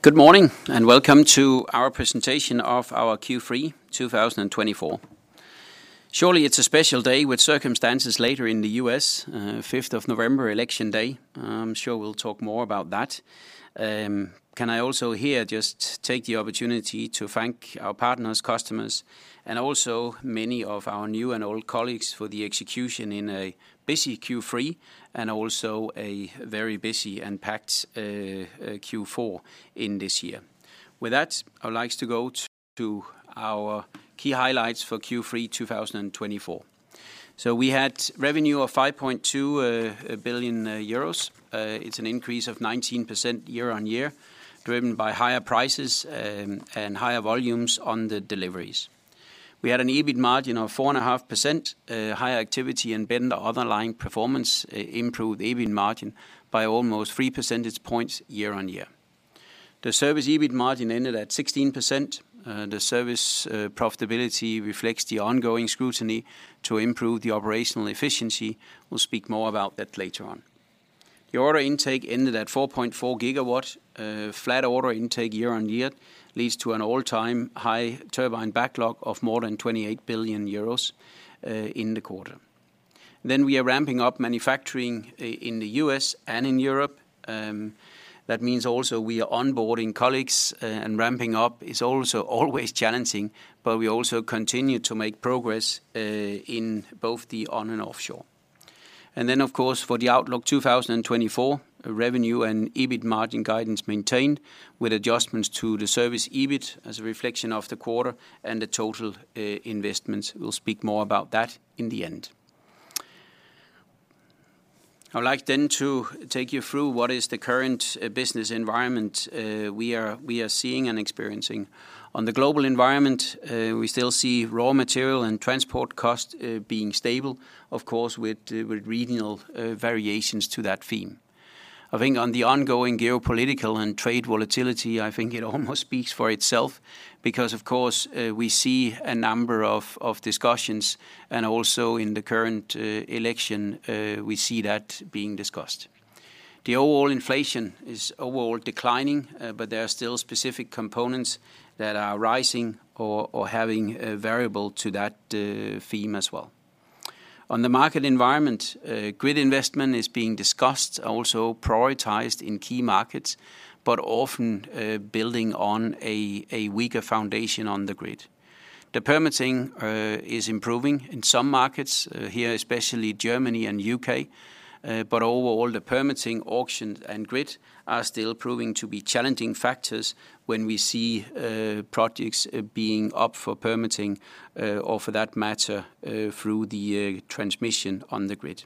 Good morning, and welcome to our presentation of our Q3 2024. Surely it's a special day with circumstances later in the U.S., 5th of November, Election Day. I'm sure we'll talk more about that. Can I also here just take the opportunity to thank our partners, customers, and also many of our new and old colleagues for the execution in a busy Q3 and also a very busy and packed Q4 in this year. With that, I would like to go to our key highlights for Q3 2024. So we had revenue of 5.2 billion euros. It's an increase of 19% year-on-year, driven by higher prices and higher volumes on the deliveries. We had an EBIT margin of 4.5%. Higher activity and better underlying performance improved EBIT margin by almost three percentage points year-on-year. The service EBIT margin ended at 16%. The service profitability reflects the ongoing scrutiny to improve the operational efficiency. We'll speak more about that later on. The order intake ended at 4.4 gigawatts. Flat order intake year-on-year leads to an all-time high turbine backlog of more than 28 billion euros in the quarter, then we are ramping up manufacturing in the U.S. and in Europe. That means also we are onboarding colleagues, and ramping up is also always challenging, but we also continue to make progress in both the on and offshore, and then, of course, for the outlook 2024, revenue and EBIT margin guidance maintained with adjustments to the service EBIT as a reflection of the quarter and the total investments. We'll speak more about that in the end. I would like then to take you through what is the current business environment we are seeing and experiencing. On the global environment, we still see raw material and transport costs being stable, of course, with regional variations to that theme. I think on the ongoing geopolitical and trade volatility, I think it almost speaks for itself because, of course, we see a number of discussions, and also in the current election, we see that being discussed. The overall inflation is overall declining, but there are still specific components that are rising or having a variable to that theme as well. On the market environment, grid investment is being discussed, also prioritized in key markets, but often building on a weaker foundation on the grid. The permitting is improving in some markets here, especially Germany and the UK, but overall the permitting, auctions, and grid are still proving to be challenging factors when we see projects being up for permitting or for that matter through the transmission on the grid.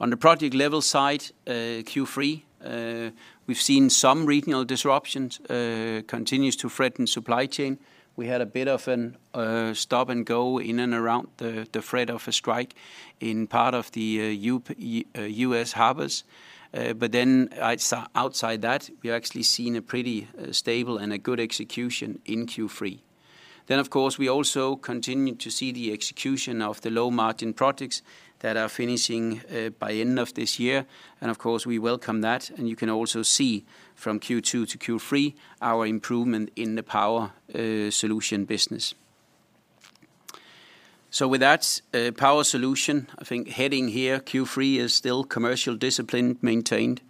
On the project level side, Q3, we've seen some regional disruptions continue to threaten supply chain. We had a bit of a stop and go in and around the threat of a strike in part of the U.S. harbors. But then outside that, we actually seen a pretty stable and a good execution in Q3. Then, of course, we also continue to see the execution of the low margin projects that are finishing by the end of this year. And of course, we welcome that. And you can also see from Q2-Q3 our improvement in the Power Solutions business. So with that Power Solution, I think heading here, Q3 is still commercial discipline maintained.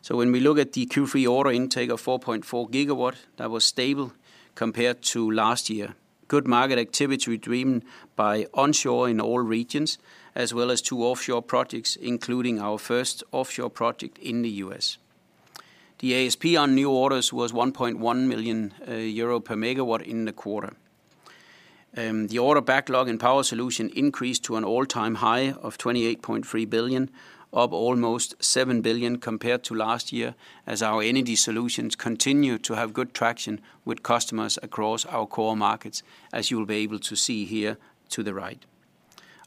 So when we look at the Q3 order intake of 4.4 gigawatts, that was stable compared to last year. Good market activity driven by onshore in all regions, as well as two offshore projects, including our first offshore project in the U.S., The ASP on new orders was 1.1 million euro per megawatt in the quarter. The order backlog and Power Solution increased to an all-time high of 28.3 billion, up almost 7 billion compared to last year as our energy solutions continue to have good traction with customers across our core markets, as you'll be able to see here to the right.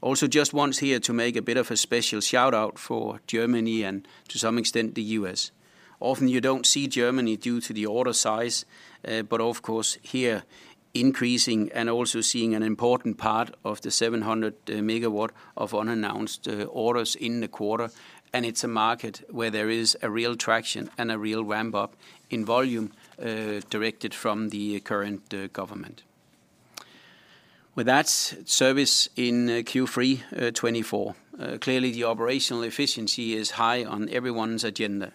Also, just once here to make a bit of a special shout-out for Germany and to some extent the U.S. Often you don't see Germany due to the order size, but of course here increasing and also seeing an important part of the 700 megawatts of unannounced orders in the quarter, and it's a market where there is a real traction and a real ramp-up in volume directed from the current government. With that, service in Q3 24, clearly the operational efficiency is high on everyone's agenda.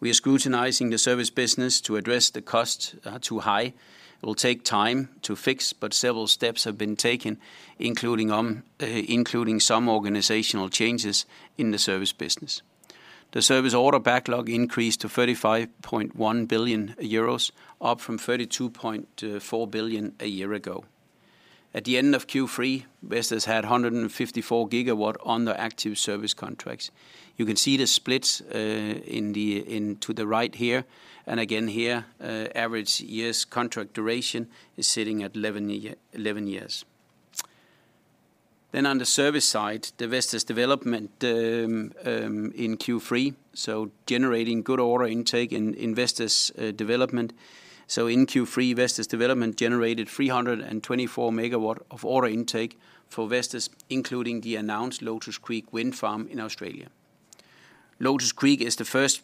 We are scrutinizing the service business to address the costs too high. It will take time to fix, but several steps have been taken, including some organizational changes in the service business. The service order backlog increased to 35.1 billion euros, up from 32.4 billion a year ago. At the end of Q3, Vestas had 154 gigawatts on the active service contracts. You can see the split to the right here, and again here, average year's contract duration is sitting at 11 years. Then, on the service side, the Vestas Development in Q3, so generating good order intake in Vestas Development, so in Q3, Vestas Development generated 324 megawatts of order intake for Vestas, including the announced Lotus Creek wind farm in Australia. Lotus Creek is the first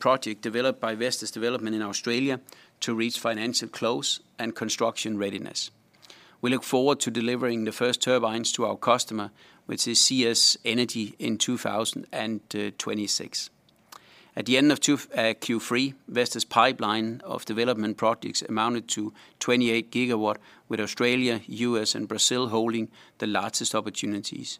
project developed by Vestas Development in Australia to reach financial close and construction readiness. We look forward to delivering the first turbines to our customer, which is CS Energy, in 2026. At the end of Q3, Vestas' pipeline of development projects amounted to 28 gigawatts, with Australia, U.S., and Brazil holding the largest opportunities.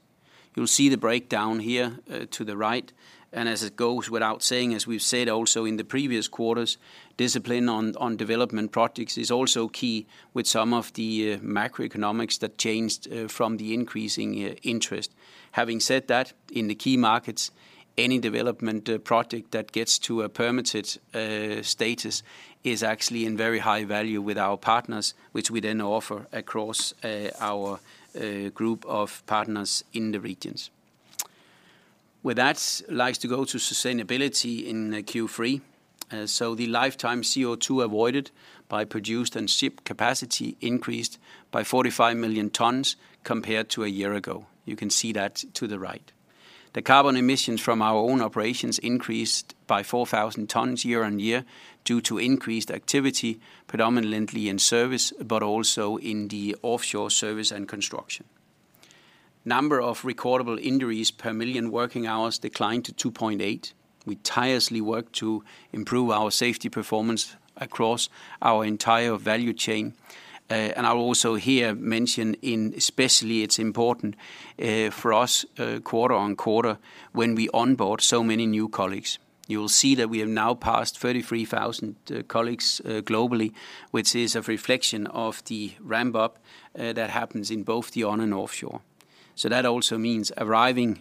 You'll see the breakdown here to the right, and as it goes without saying, as we've said also in the previous quarters, discipline on development projects is also key with some of the macroeconomics that changed from the increasing interest. Having said that, in the key markets, any development project that gets to a permitted status is actually in very high value with our partners, which we then offer across our group of partners in the regions. With that, I'd like to go to sustainability in Q3. So the lifetime CO2 avoided by produced and shipped capacity increased by 45 million tons compared to a year ago. You can see that to the right. The carbon emissions from our own operations increased by 4,000 tons year-on-year due to increased activity, predominantly in service, but also in the offshore service and construction. Number of recordable injuries per million working hours declined to 2.8. We tirelessly work to improve our safety performance across our entire value chain. And I'll also here mention in especially it's important for us quarter on quarter when we onboard so many new colleagues. You'll see that we have now passed 33,000 colleagues globally, which is a reflection of the ramp-up that happens in both the onshore and offshore. So that also means arriving,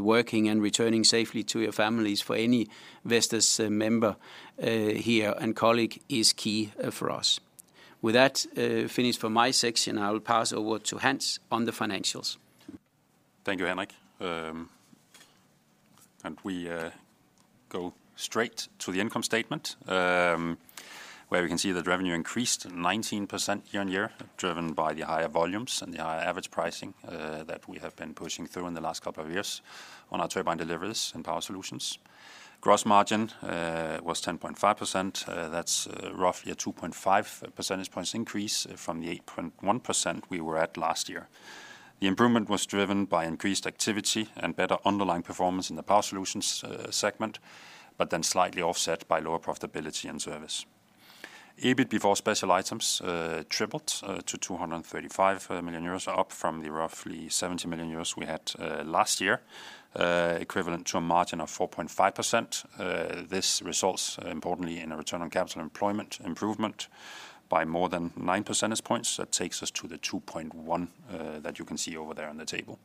working, and returning safely to your families for any Vestas member here and colleague is key for us. With that, finished for my section, I'll pass over to Hans on the financials. Thank you, Henrik. And we go straight to the income statement, where we can see that revenue increased 19% year-on-year, driven by the higher volumes and the higher average pricing that we have been pushing through in the last couple of years on our turbine deliveries and Power Solutions. Gross margin was 10.5%. That's roughly a 2.5 percentage points increase from the 8.1% we were at last year. The improvement was driven by increased activity and better underlying performance in the Power Solutions segment, but then slightly offset by lower profitability and service. EBIT before special items tripled to 235 million euros, up from the roughly 70 million euros we had last year, equivalent to a margin of 4.5%. This results importantly in a return on capital employed improvement by more than nine percentage points. That takes us to the 2.1 that you can see over there on the table.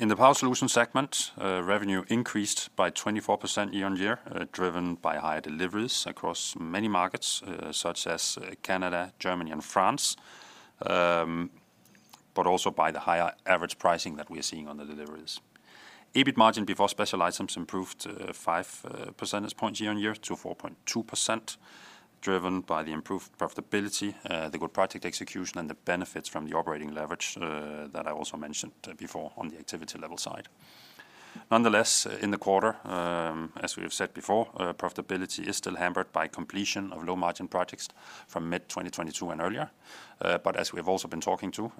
In the Power Solutions segment, revenue increased by 24% year-on-year, driven by higher deliveries across many markets such as Canada, Germany, and France, but also by the higher average pricing that we are seeing on the deliveries. EBIT margin before special items improved five percentage points year-on-year to 4.2%, driven by the improved profitability, the good project execution, and the benefits from the operating leverage that I also mentioned before on the activity level side. Nonetheless, in the quarter, as we have said before, profitability is still hampered by completion of low margin projects from mid-2022 and earlier. But as we have also been talking to,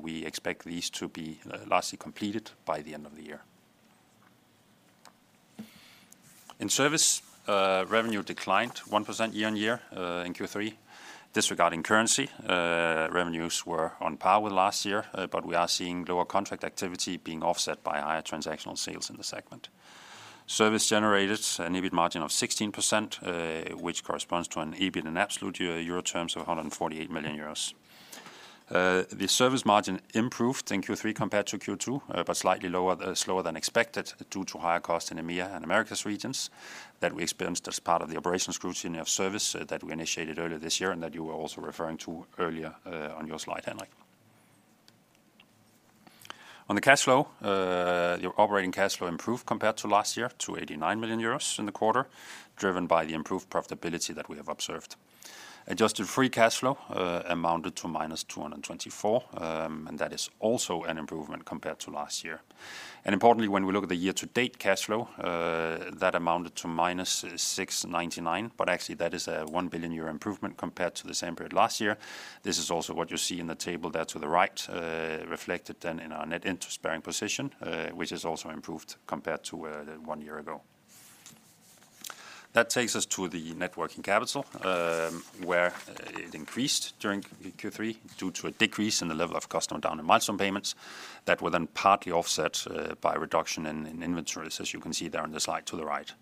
we expect these to be largely completed by the end of the year. In Service, revenue declined 1% year-on-year in Q3. Disregarding currency, revenues were on par with last year, but we are seeing lower contract activity being offset by higher transactional sales in the segment. Service generated an EBIT margin of 16%, which corresponds to an EBIT in absolute year terms of 148 million euros. The service margin improved in Q3 compared to Q2, but slightly lower than expected due to higher costs in EMEA and Americas regions that we experienced as part of the operational scrutiny of service that we initiated earlier this year and that you were also referring to earlier on your slide, Henrik. On the cash flow, your operating cash flow improved compared to last year to 89 million euros in the quarter, driven by the improved profitability that we have observed. Adjusted free cash flow amounted to minus 224, and that is also an improvement compared to last year. Importantly, when we look at the year-to-date cash flow, that amounted to minus 699, but actually that is a 1 billion euro improvement compared to the same period last year. This is also what you see in the table there to the right, reflected then in our net interest bearing position, which has also improved compared to one year ago. That takes us to the net working capital, where it increased during Q3 due to a decrease in the level of customer down and milestone payments that were then partly offset by a reduction in inventories, as you can see there on the slide to the right.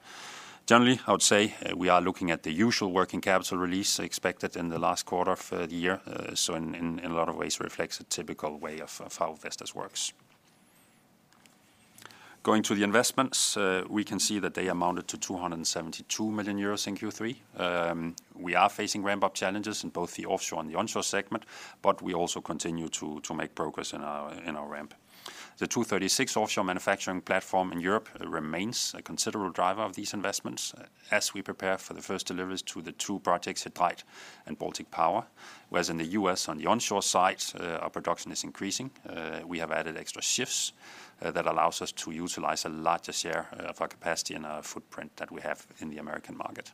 Generally, I would say we are looking at the usual working capital release expected in the last quarter of the year. In a lot of ways, it reflects a typical way of how Vestas works. Going to the investments, we can see that they amounted to 272 million euros in Q3. We are facing ramp-up challenges in both the offshore and the onshore segment, but we also continue to make progress in our ramp. The 236 offshore manufacturing platform in Europe remains a considerable driver of these investments as we prepare for the first deliveries to the two projects at He Dreiht and Baltic Power, whereas in the U.S., on the onshore side, our production is increasing. We have added extra shifts that allow us to utilize a larger share of our capacity and our footprint that we have in the American market.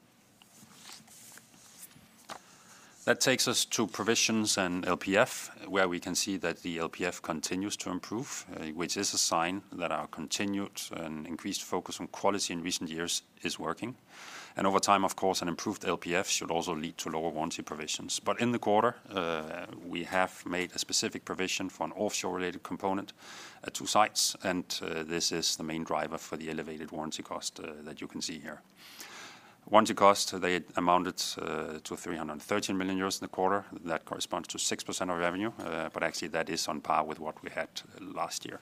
That takes us to provisions and LPF, where we can see that the LPF continues to improve, which is a sign that our continued and increased focus on quality in recent years is working. Over time, of course, an improved LPF should also lead to lower warranty provisions. But in the quarter, we have made a specific provision for an offshore-related component at two sites, and this is the main driver for the elevated warranty cost that you can see here. Warranty cost, they amounted to 313 million euros in the quarter. That corresponds to 6% of revenue, but actually that is on par with what we had last year.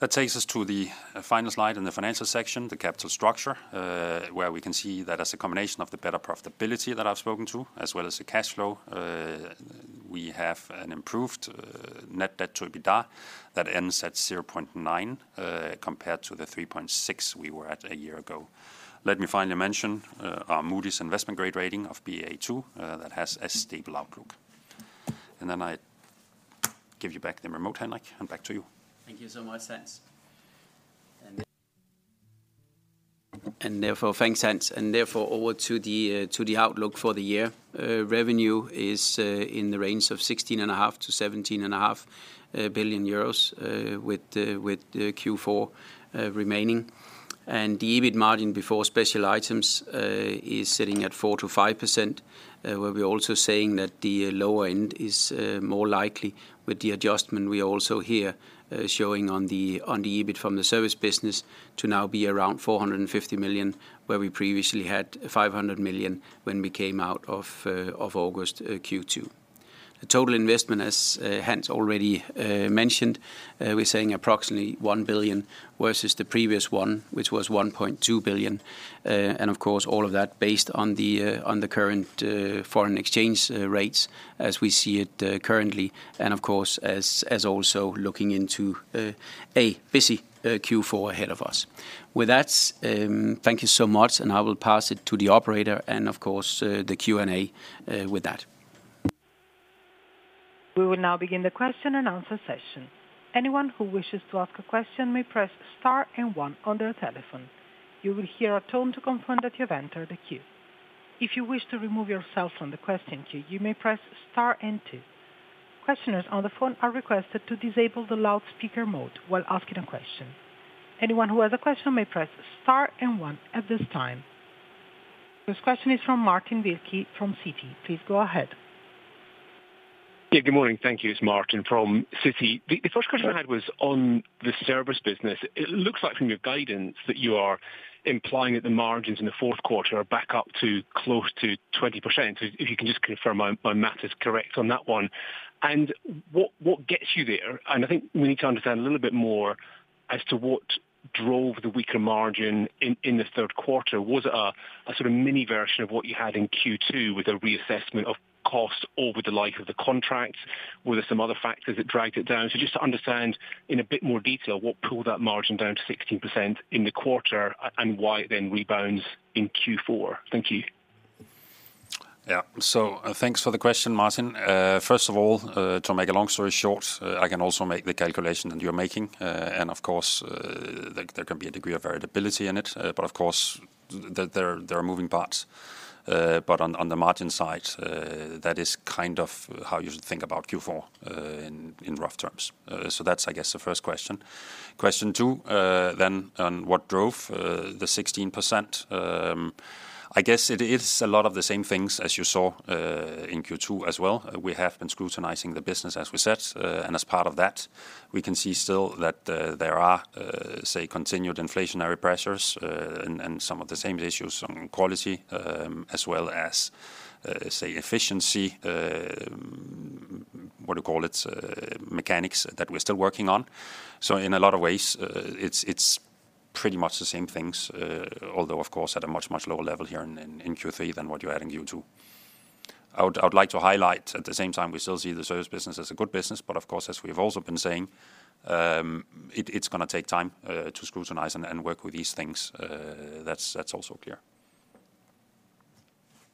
That takes us to the final slide in the financial section, the capital structure, where we can see that as a combination of the better profitability that I've spoken to, as well as the cash flow, we have an improved net debt to EBITDA that ends at 0.9 compared to the 3.6 we were at a year ago. Let me finally mention our Moody's investment grade rating of Ba2 that has a stable outlook. And then I give you back the remote, Henrik, and back to you. Thank you so much, Hans. And therefore, thanks, Hans. And therefore, over to the outlook for the year. Revenue is in the range of 16.5 billion-17.5 billion euros with Q4 remaining. And the EBIT margin before special items is sitting at 4%-5%, where we're also saying that the lower end is more likely with the adjustment we also here showing on the EBIT from the service business to now be around 450 million, where we previously had 500 million when we came out of August Q2. The total investment, as Hans already mentioned, we're saying approximately 1 billion versus the previous one, which was 1.2 billion. And of course, all of that based on the current foreign exchange rates as we see it currently. And of course, as also looking into a busy Q4 ahead of us. With that, thank you so much, and I will pass it to the operator and of course the Q&A with that. We will now begin the question and answer session. Anyone who wishes to ask a question may press star and one on their telephone. You will hear a tone to confirm that you have entered a queue. If you wish to remove yourself from the question queue, you may press star and two. Questioners on the phone are requested to disable the loudspeaker mode while asking a question. Anyone who has a question may press star and one at this time. This question is from Martin Wilkie from Citi. Please go ahead. Yeah, good morning. Thank you, it's Martin from Citi. The first question I had was on the service business. It looks like from your guidance that you are implying that the margins in the fourth quarter are back up to close to 20%. So if you can just confirm my math is correct on that one. And what gets you there? And I think we need to understand a little bit more as to what drove the weaker margin in the third quarter. Was it a sort of mini version of what you had in Q2 with a reassessment of cost over the life of the contract? Were there some other factors that dragged it down? So just to understand in a bit more detail, what pulled that margin down to 16% in the quarter and why it then rebounds in Q4? Thank you. Yeah, so thanks for the question, Martin. First of all, to make a long story short, I can also make the calculation that you're making. And of course, there can be a degree of variability in it, but of course, there are moving parts. But on the margin side, that is kind of how you should think about Q4 in rough terms. So that's, I guess, the first question. Question two, then on what drove the 16%? I guess it is a lot of the same things as you saw in Q2 as well. We have been scrutinizing the business, as we said. And as part of that, we can see still that there are, say, continued inflationary pressures and some of the same issues on quality as well as, say, efficiency, what do you call it, mechanics that we're still working on. So in a lot of ways, it's pretty much the same things, although of course at a much, much lower level here in Q3 than what you had in Q2. I would like to highlight at the same time, we still see the service business as a good business, but of course, as we have also been saying, it's going to take time to scrutinize and work with these things. That's also clear.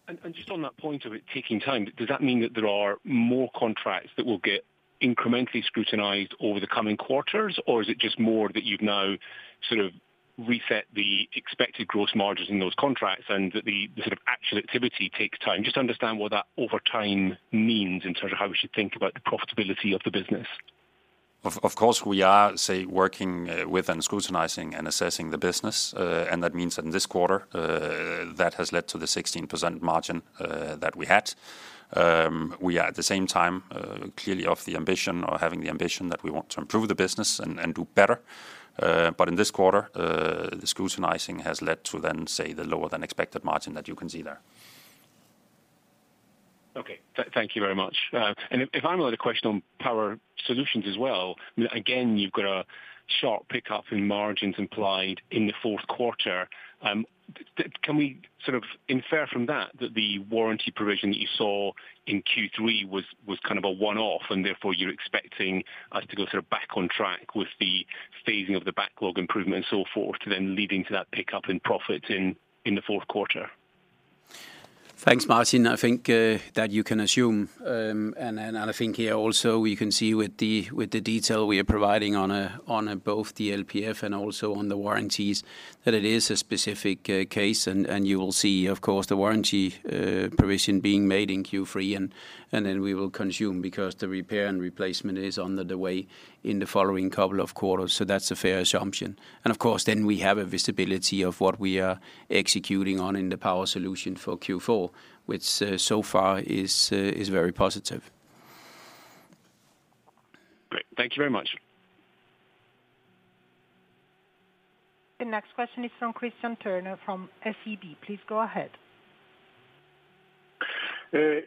And just on that point of it taking time, does that mean that there are more contracts that will get incrementally scrutinized over the coming quarters, or is it just more that you've now sort of reset the expected gross margins in those contracts and that the sort of actual activity takes time? Just to understand what that over time means in terms of how we should think about the profitability of the business. Of course, we are, say, working with and scrutinizing and assessing the business. And that means that in this quarter, that has led to the 16% margin that we had. We are at the same time clearly of the ambition or having the ambition that we want to improve the business and do better. But in this quarter, the scrutinizing has led to then, say, the lower than expected margin that you can see there. Okay, thank you very much. And if I'm allowed a question on Power Solutions as well, again, you've got a sharp pickup in margins implied in the fourth quarter. Can we sort of infer from that that the warranty provision that you saw in Q3 was kind of a one-off and therefore you're expecting us to go sort of back on track with the phasing of the backlog improvement and so forth to then leading to that pickup in profits in the fourth quarter? Thanks, Martin. I think that you can assume. And I think here also you can see with the detail we are providing on both the LPF and also on the warranties that it is a specific case. And you will see, of course, the warranty provision being made in Q3 and then we will consume because the repair and replacement is underway in the following couple of quarters. So that's a fair assumption. And of course, then we have a visibility of what we are executing on in the Power Solutions for Q4, which so far is very positive. Great. Thank you very much. The next question is from Kristian Tornøe from SEB. Please go ahead.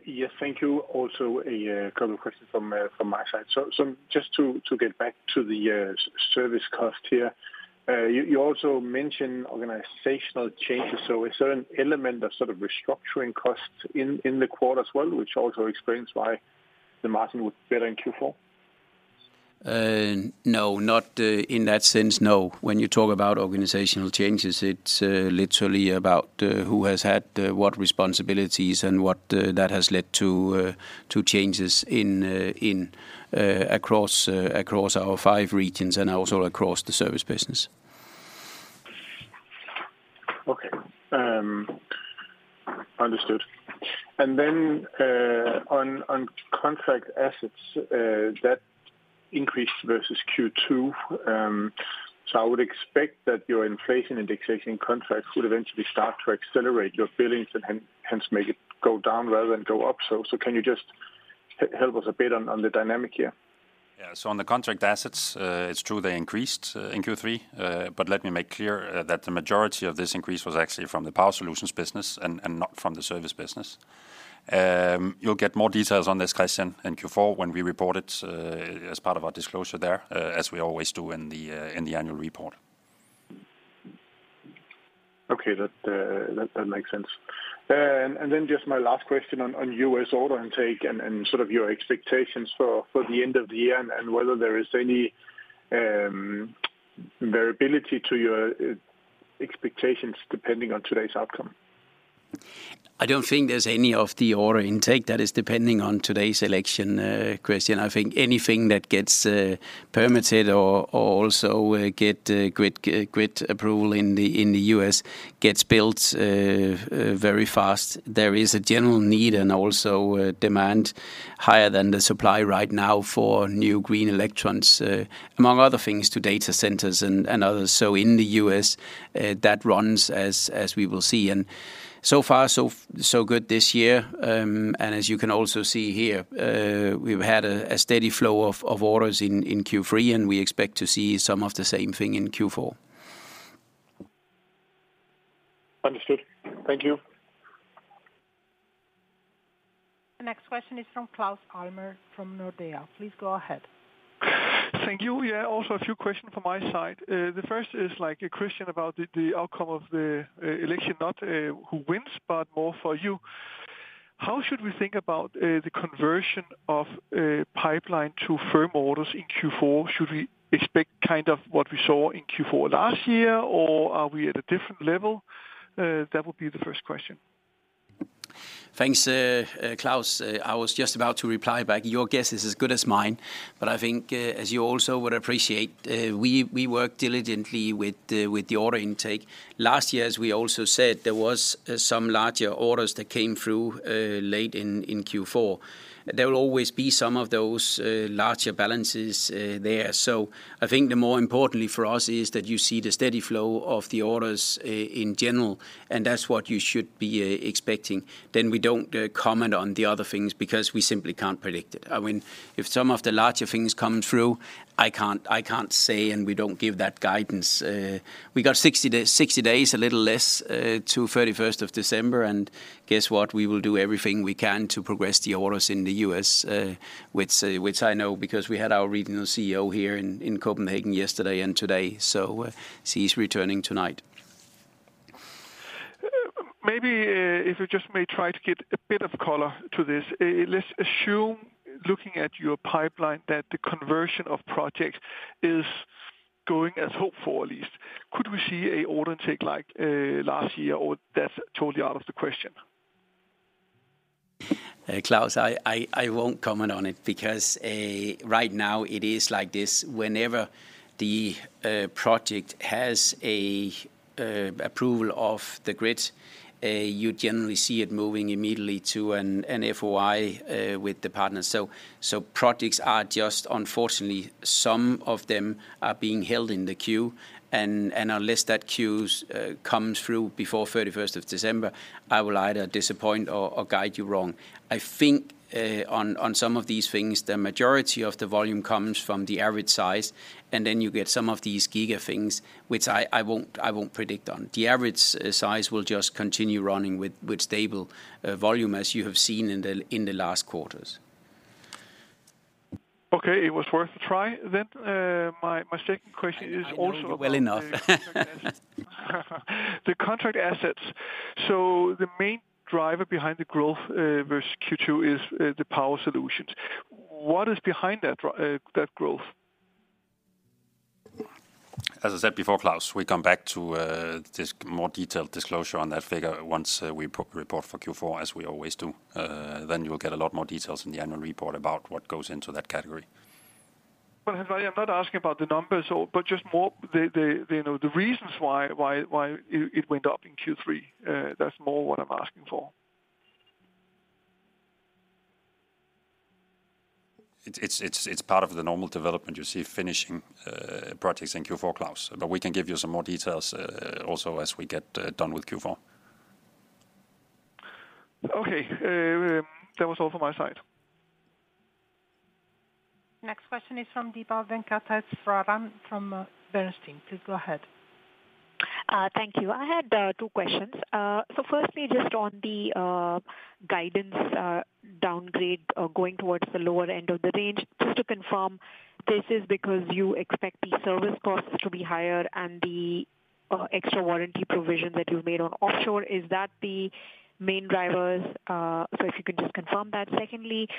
Yes, thank you. Also a common question from my side. So just to get back to the service cost here, you also mentioned organizational changes. So is there an element of sort of restructuring costs in the quarter as well, which also explains why the margin was better in Q4? No, not in that sense, no. When you talk about organizational changes, it's literally about who has had what responsibilities and what that has led to changes across our five regions and also across the service business. Okay, understood. And then on contract assets, that increased versus Q2. So I would expect that your inflation indexation contract would eventually start to accelerate your billings and hence make it go down rather than go up. So can you just help us a bit on the dynamic here? Yeah, so on the contract assets, it's true they increased in Q3, but let me make clear that the majority of this increase was actually from the Power Solutions business and not from the service business. You'll get more details on this, Kristian, in Q4 when we report it as part of our disclosure there, as we always do in the annual report. Okay, that makes sense. And then just my last question on your order intake and sort of your expectations for the end of the year and whether there is any variability to your expectations depending on today's outcome. I don't think there's any of the order intake that is depending on today's election, Kristian. I think anything that gets permitted or also gets grid approval in the U.S. gets built very fast. There is a general need and also demand higher than the supply right now for new green electrons, among other things, to data centers and others. So in the U.S., that runs as we will see, and so far, so good this year, and as you can also see here, we've had a steady flow of orders in Q3, and we expect to see some of the same thing in Q4. Understood. Thank you. The next question is from Claus Almer from Nordea. Please go ahead. Thank you. Yeah, also a few questions from my side. The first is like a question about the outcome of the election, not who wins, but more for you. How should we think about the conversion of pipeline to firm orders in Q4? Should we expect kind of what we saw in Q4 last year, or are we at a different level? That would be the first question. Thanks, Claus. I was just about to reply back. Your guess is as good as mine, but I think as you also would appreciate, we work diligently with the order intake. Last year, as we also said, there were some larger orders that came through late in Q4. There will always be some of those larger balances there. So I think the more importantly for us is that you see the steady flow of the orders in general, and that's what you should be expecting. Then we don't comment on the other things because we simply can't predict it. I mean, if some of the larger things come through, I can't say, and we don't give that guidance. We got 60 days, a little less to 31st of December, and guess what? We will do everything we can to progress the orders in the U.S., which I know because we had our regional CEO here in Copenhagen yesterday and today, so he's returning tonight. Maybe if we just may try to get a bit of color to this, let's assume looking at your pipeline that the conversion of projects is going as hoped for at least. Could we see an order intake like last year, or that's totally out of the question? Claus, I won't comment on it because right now it is like this. Whenever the project has an approval of the grid, you generally see it moving immediately to an FOI with the partners. So projects are just, unfortunately, some of them are being held in the queue. And unless that queue comes through before 31st of December, I will either disappoint or guide you wrong. I think on some of these things, the majority of the volume comes from the average size, and then you get some of these giga things, which I won't predict on. The average size will just continue running with stable volume as you have seen in the last quarters. Okay, it was worth a try then. My second question is also. Well enough. The contract assets. So the main driver behind the growth versus Q2 is the Power Solutions. What is behind that growth? As I said before, Claus, we come back to this more detailed disclosure on that figure once we report for Q4, as we always do. Then you'll get a lot more details in the annual report about what goes into that category. But I'm not asking about the numbers, but just more the reasons why it went up in Q3. That's more what I'm asking for. It's part of the normal development. You see finishing projects in Q4, Claus. But we can give you some more details also as we get done with Q4. Okay, that was all from my side. Next question is from Deepa Venkateswaran from Bernstein. Please go ahead. Thank you. I had two questions. So firstly, just on the guidance downgrade going towards the lower end of the range, just to confirm, this is because you expect the service costs to be higher and the extra warranty provision that you've made on offshore. Is that the main drivers? So if you can just confirm that. Secondly,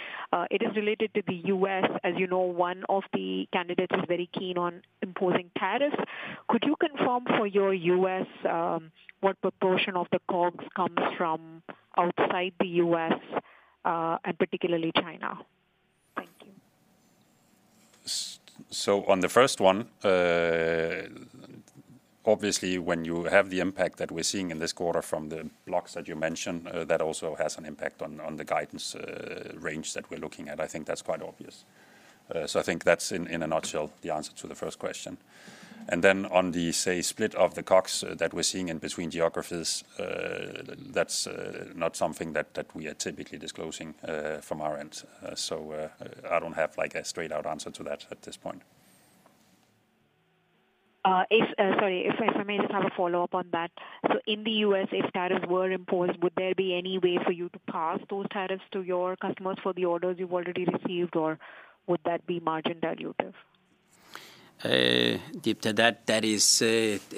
it is related to the U.S. As you know, one of the candidates is very keen on imposing tariffs. Could you confirm for your U.S. what proportion of the COGS comes from outside the U.S. and particularly China? Thank you. So on the first one, obviously, when you have the impact that we're seeing in this quarter from the blocks that you mentioned, that also has an impact on the guidance range that we're looking at. I think that's quite obvious. So I think that's in a nutshell the answer to the first question. And then on the, say, split of the COGS that we're seeing in between geographies, that's not something that we are typically disclosing from our end. So I don't have like a straight-out answer to that at this point. Sorry, if I may just have a follow-up on that. So in the U.S., if tariffs were imposed, would there be any way for you to pass those tariffs to your customers for the orders you've already received, or would that be margin dilutive? Deepa, that is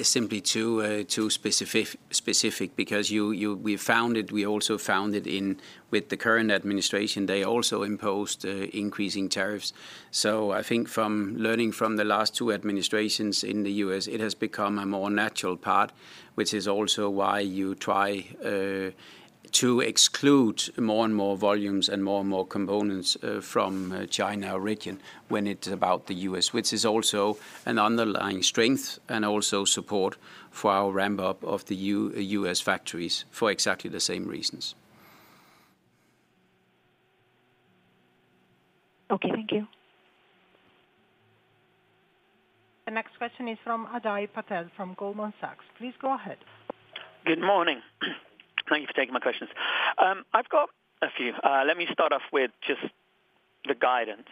simply too specific because we found it, we also found it with the current administration, they also imposed increasing tariffs. So I think from learning from the last two administrations in the U.S., it has become a more natural part, which is also why you try to exclude more and more volumes and more and more components from China region when it's about the U.S., which is also an underlying strength and also support for our ramp-up of the U.S. factories for exactly the same reasons. Okay, thank you. The next question is from Ajay Patel from Goldman Sachs. Please go ahead. Good morning. Thank you for taking my questions. I've got a few. Let me start off with just the guidance.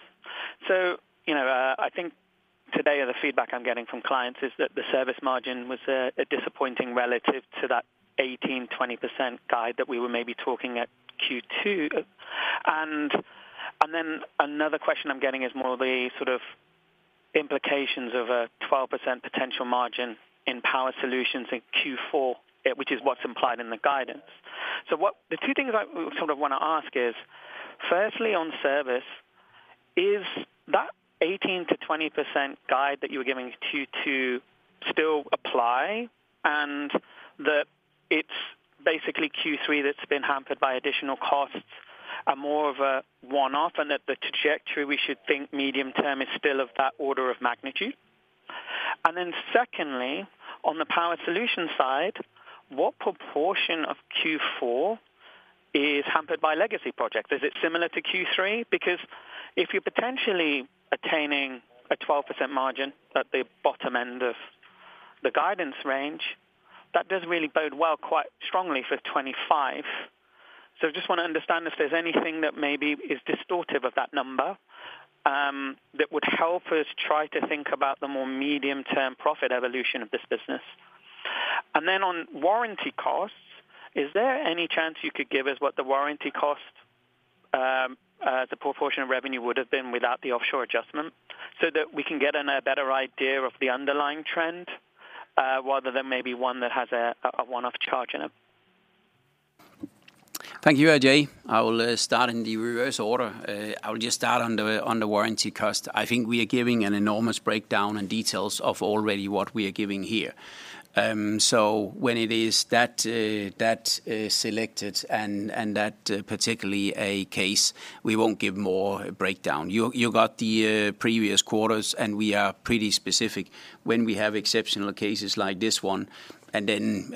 So I think today the feedback I'm getting from clients is that the service margin was disappointing relative to that 18%-20% guide that we were maybe talking at Q2. And then another question I'm getting is more of the sort of implications of a 12% potential margin in Power Solutions in Q4, which is what's implied in the guidance. So the two things I sort of want to ask is, firstly, on service, is that 18%-20% guide that you were giving Q2 still apply and that it's basically Q3 that's been hampered by additional costs are more of a one-off and that the trajectory we should think medium term is still of that order of magnitude? And then secondly, on the Power Solutions side, what proportion of Q4 is hampered by legacy projects? Is it similar to Q3? Because if you're potentially attaining a 12% margin at the bottom end of the guidance range, that does really bode well quite strongly for 2025. So I just want to understand if there's anything that maybe is distorted of that number that would help us try to think about the more medium-term profit evolution of this business. And then on warranty costs, is there any chance you could give us what the warranty cost, the proportion of revenue would have been without the offshore adjustment so that we can get a better idea of the underlying trend rather than maybe one that has a one-off charge in it? Thank you, AJ. I will start in the reverse order. I will just start on the warranty cost. I think we are giving an enormous breakdown and details of what we are already giving here. So when it is that selective and that particular case, we won't give more breakdown. You got the previous quarters and we are pretty specific. When we have exceptional cases like this one, and then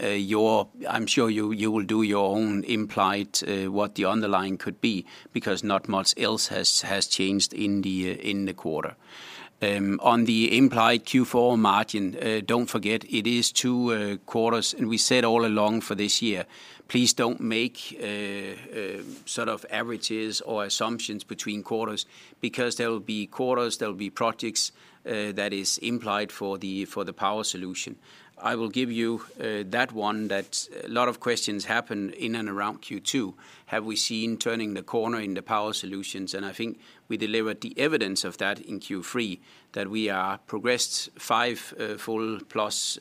I'm sure you will do your own implying of what the underlying could be because not much else has changed in the quarter. On the implied Q4 margin, don't forget it is two quarters and we said all along for this year. Please don't make sort of averages or assumptions between quarters because there will be quarters, there will be projects that are implied for the Power Solutions. I will give you that one that a lot of questions happen in and around Q2. Have we seen turning the corner in the Power Solutions? And I think we delivered the evidence of that in Q3 that we have progressed five full plus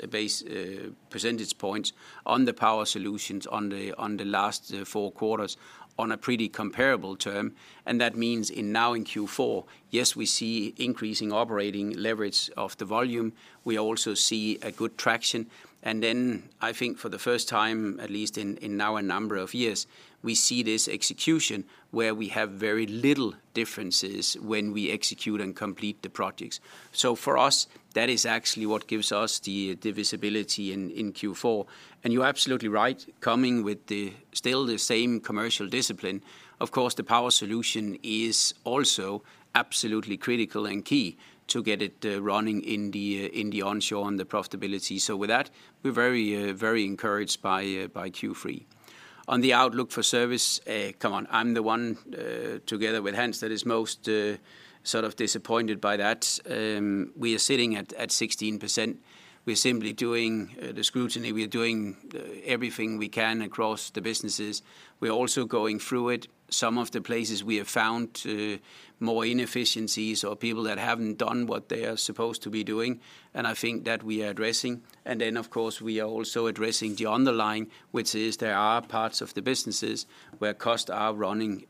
percentage points on the Power Solutions on the last four quarters on a pretty comparable term. And that means now in Q4, yes, we see increasing operating leverage of the volume. We also see a good traction. And then I think for the first time, at least in now a number of years, we see this execution where we have very little differences when we execute and complete the projects. So for us, that is actually what gives us the visibility in Q4. You're absolutely right, coming with still the same commercial discipline, of course. The Power Solutions is also absolutely critical and key to get it running in the onshore and the profitability. So with that, we're very, very encouraged by Q3. On the outlook for Service, come on, I'm the one together with Hans that is most sort of disappointed by that. We are sitting at 16%. We're simply doing the scrutiny. We're doing everything we can across the businesses. We're also going through it. Some of the places we have found more inefficiencies or people that haven't done what they are supposed to be doing. And I think that we are addressing. And then, of course, we are also addressing the underlying, which is there are parts of the businesses where costs are running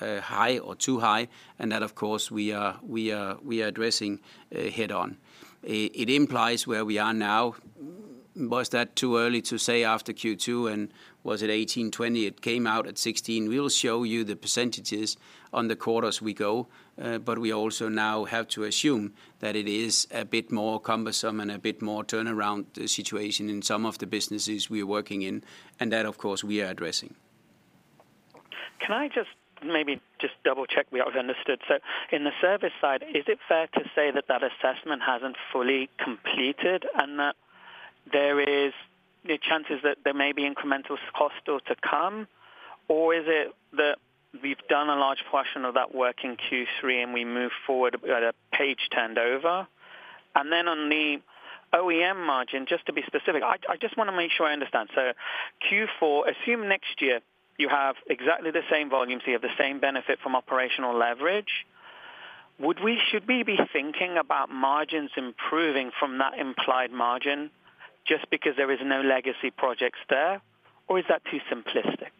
high or too high, and that, of course, we are addressing head-on. It implies where we are now. Was that too early to say after Q2 and was it 18%-20%? It came out at 16%. We will show you the percentages on the quarters we go, but we also now have to assume that it is a bit more cumbersome and a bit more turnaround situation in some of the businesses we are working in, and that, of course, we are addressing. Can I just maybe double-check? We've understood. So in the service side, is it fair to say that that assessment hasn't fully completed and that there is the chances that there may be incremental costs to come, or is it that we've done a large portion of that work in Q3 and we move forward, a page turned over? And then on the OEM margin, just to be specific, I just want to make sure I understand. So Q4, assume next year you have exactly the same volumes, you have the same benefit from operational leverage. Would we be thinking about margins improving from that implied margin just because there are no legacy projects there, or is that too simplistic?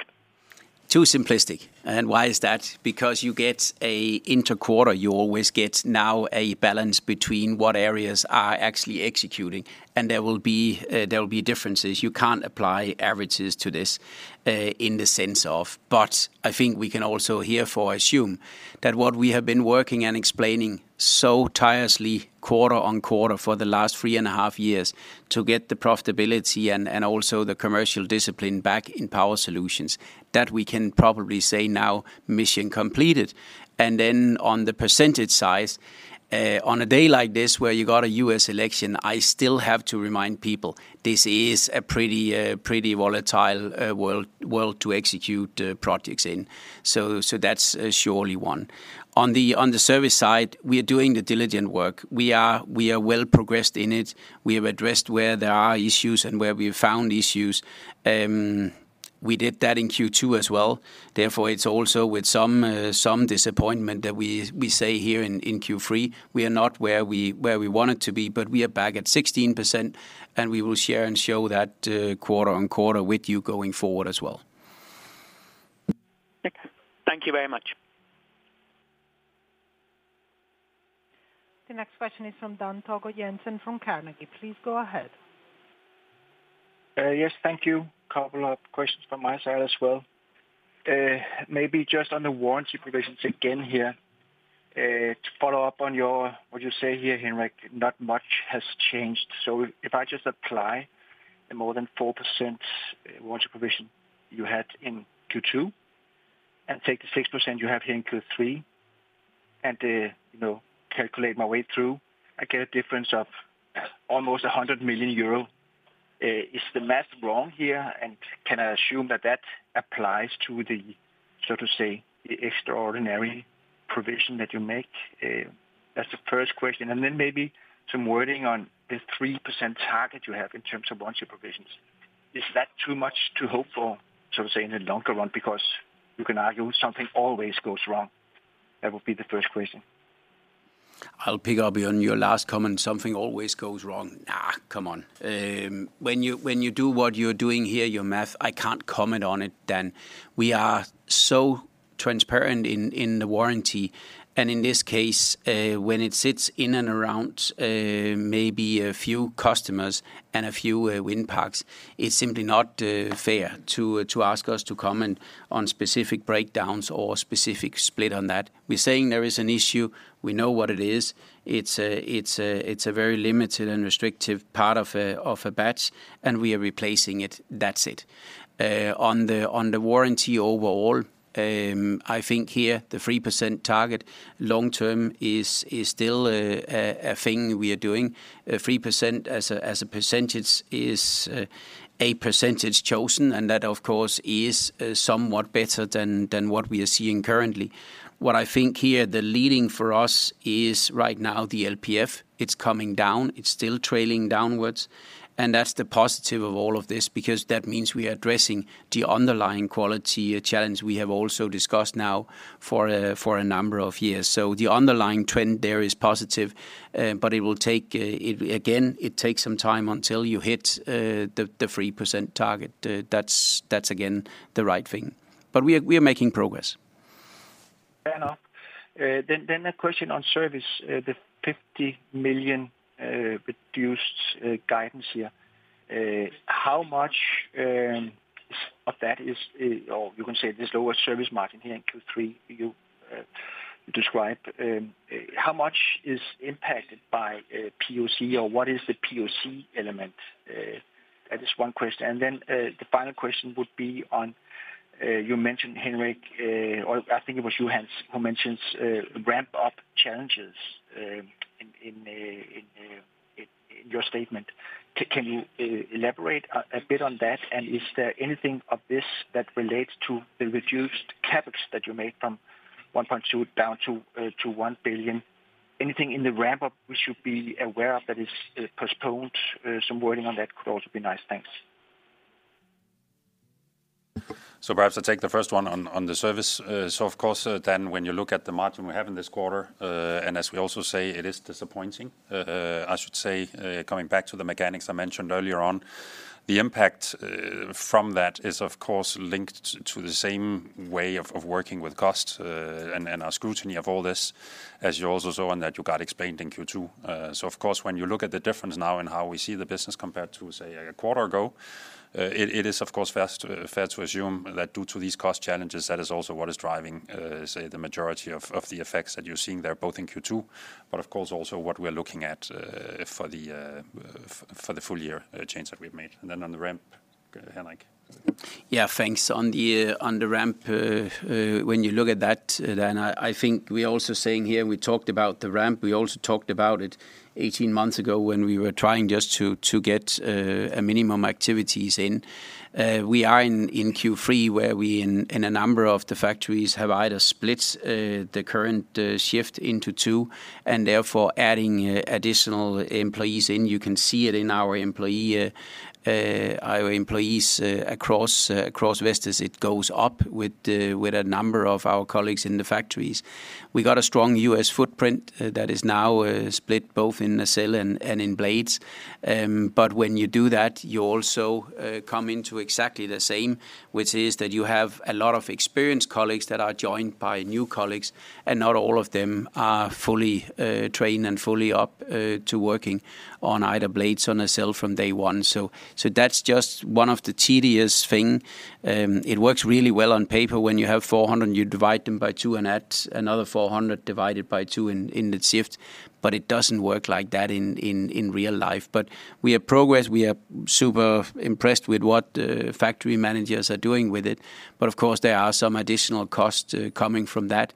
Too simplistic, and why is that? Because you get an interquarter, you always get now a balance between what areas are actually executing, and there will be differences. You can't apply averages to this in the sense of, but I think we can also therefore assume that what we have been working and explaining so tirelessly quarter on quarter for the last three and a half years to get the profitability and also the commercial discipline back in Power Solutions, that we can probably say now mission completed. And then on the percentage side, on a day like this where you got a U.S. election, I still have to remind people this is a pretty volatile world to execute projects in. So that's surely one. On the Service side, we are doing the diligent work. We are well progressed in it. We have addressed where there are issues and where we found issues. We did that in Q2 as well. Therefore, it's also with some disappointment that we say here in Q3, we are not where we wanted to be, but we are back at 16%, and we will share and show that quarter on quarter with you going forward as well. Thank you very much. The next question is from Dan Togo Jensen from Carnegie. Please go ahead. Yes, thank you. A couple of questions from my side as well. Maybe just on the warranty provisions again here. To follow up on what you say here, Henrik, not much has changed. So if I just apply the more than 4% warranty provision you had in Q2 and take the 6% you have here in Q3 and calculate my way through, I get a difference of almost 100 million euro. Is the math wrong here? And can I assume that that applies to the, so to say, extraordinary provision that you make? That's the first question. And then maybe some wording on the 3% target you have in terms of warranty provisions. Is that too much to hope for, so to say, in the longer run? Because you can argue something always goes wrong. That would be the first question. I'll pick up on your last comment, something always goes wrong. Nah, come on. When you do what you're doing here, your math, I can't comment on it then. We are so transparent in the warranty. And in this case, when it sits in and around maybe a few customers and a few wind parks, it's simply not fair to ask us to comment on specific breakdowns or specific split on that. We're saying there is an issue. We know what it is. It's a very limited and restrictive part of a batch, and we are replacing it. That's it. On the warranty overall, I think here the 3% target long-term is still a thing we are doing. 3% as a percentage is a percentage chosen, and that, of course, is somewhat better than what we are seeing currently. What I think here the leading for us is right now the LPF. It's coming down. It's still trailing downwards. And that's the positive of all of this because that means we are addressing the underlying quality challenge we have also discussed now for a number of years. So the underlying trend there is positive, but it will take, again, it takes some time until you hit the 3% target. That's again the right thing. But we are making progress. Fair enough. Then a question on service, the 50 million reduced guidance here. How much of that is, or you can say this lower service margin here in Q3 you described, how much is impacted by POC or what is the POC element? That is one question. And then the final question would be on, you mentioned Henrik, or I think it was Hans who mentions ramp-up challenges in your statement. Can you elaborate a bit on that? And is there anything of this that relates to the reduced CapEx that you made from 1.2 billion down to 1 billion? Anything in the ramp-up we should be aware of that is postponed? Some wording on that could also be nice. Thanks. So perhaps I'll take the first one on the service. So of course, then when you look at the margin we have in this quarter, and as we also say, it is disappointing, I should say, coming back to the mechanics I mentioned earlier on, the impact from that is, of course, linked to the same way of working with cost and our scrutiny of all this, as you also saw in that you got explained in Q2. So of course, when you look at the difference now in how we see the business compared to, say, a quarter ago, it is, of course, fair to assume that due to these cost challenges, that is also what is driving, say, the majority of the effects that you're seeing there, both in Q2, but of course, also what we're looking at for the full year change that we've made. And then, on the ramp, Henrik. Yeah, thanks. On the ramp, when you look at that, then I think we're also saying here, we talked about the ramp, we also talked about it 18 months ago when we were trying just to get a minimum activities in. We are in Q3 where we, in a number of the factories, have either split the current shift into two and therefore adding additional employees in. You can see it in our employees across Vestas. It goes up with a number of our colleagues in the factories. We got a strong U.S. footprint that is now split both in the steel and in blades. But when you do that, you also come into exactly the same, which is that you have a lot of experienced colleagues that are joined by new colleagues, and not all of them are fully trained and fully up to working on either blades on a cell from day one. So that's just one of the tedious things. It works really well on paper when you have 400, you divide them by two and add another 400 divided by two in the shift, but it doesn't work like that in real life. But we have progress. We are super impressed with what factory managers are doing with it. But of course, there are some additional costs coming from that.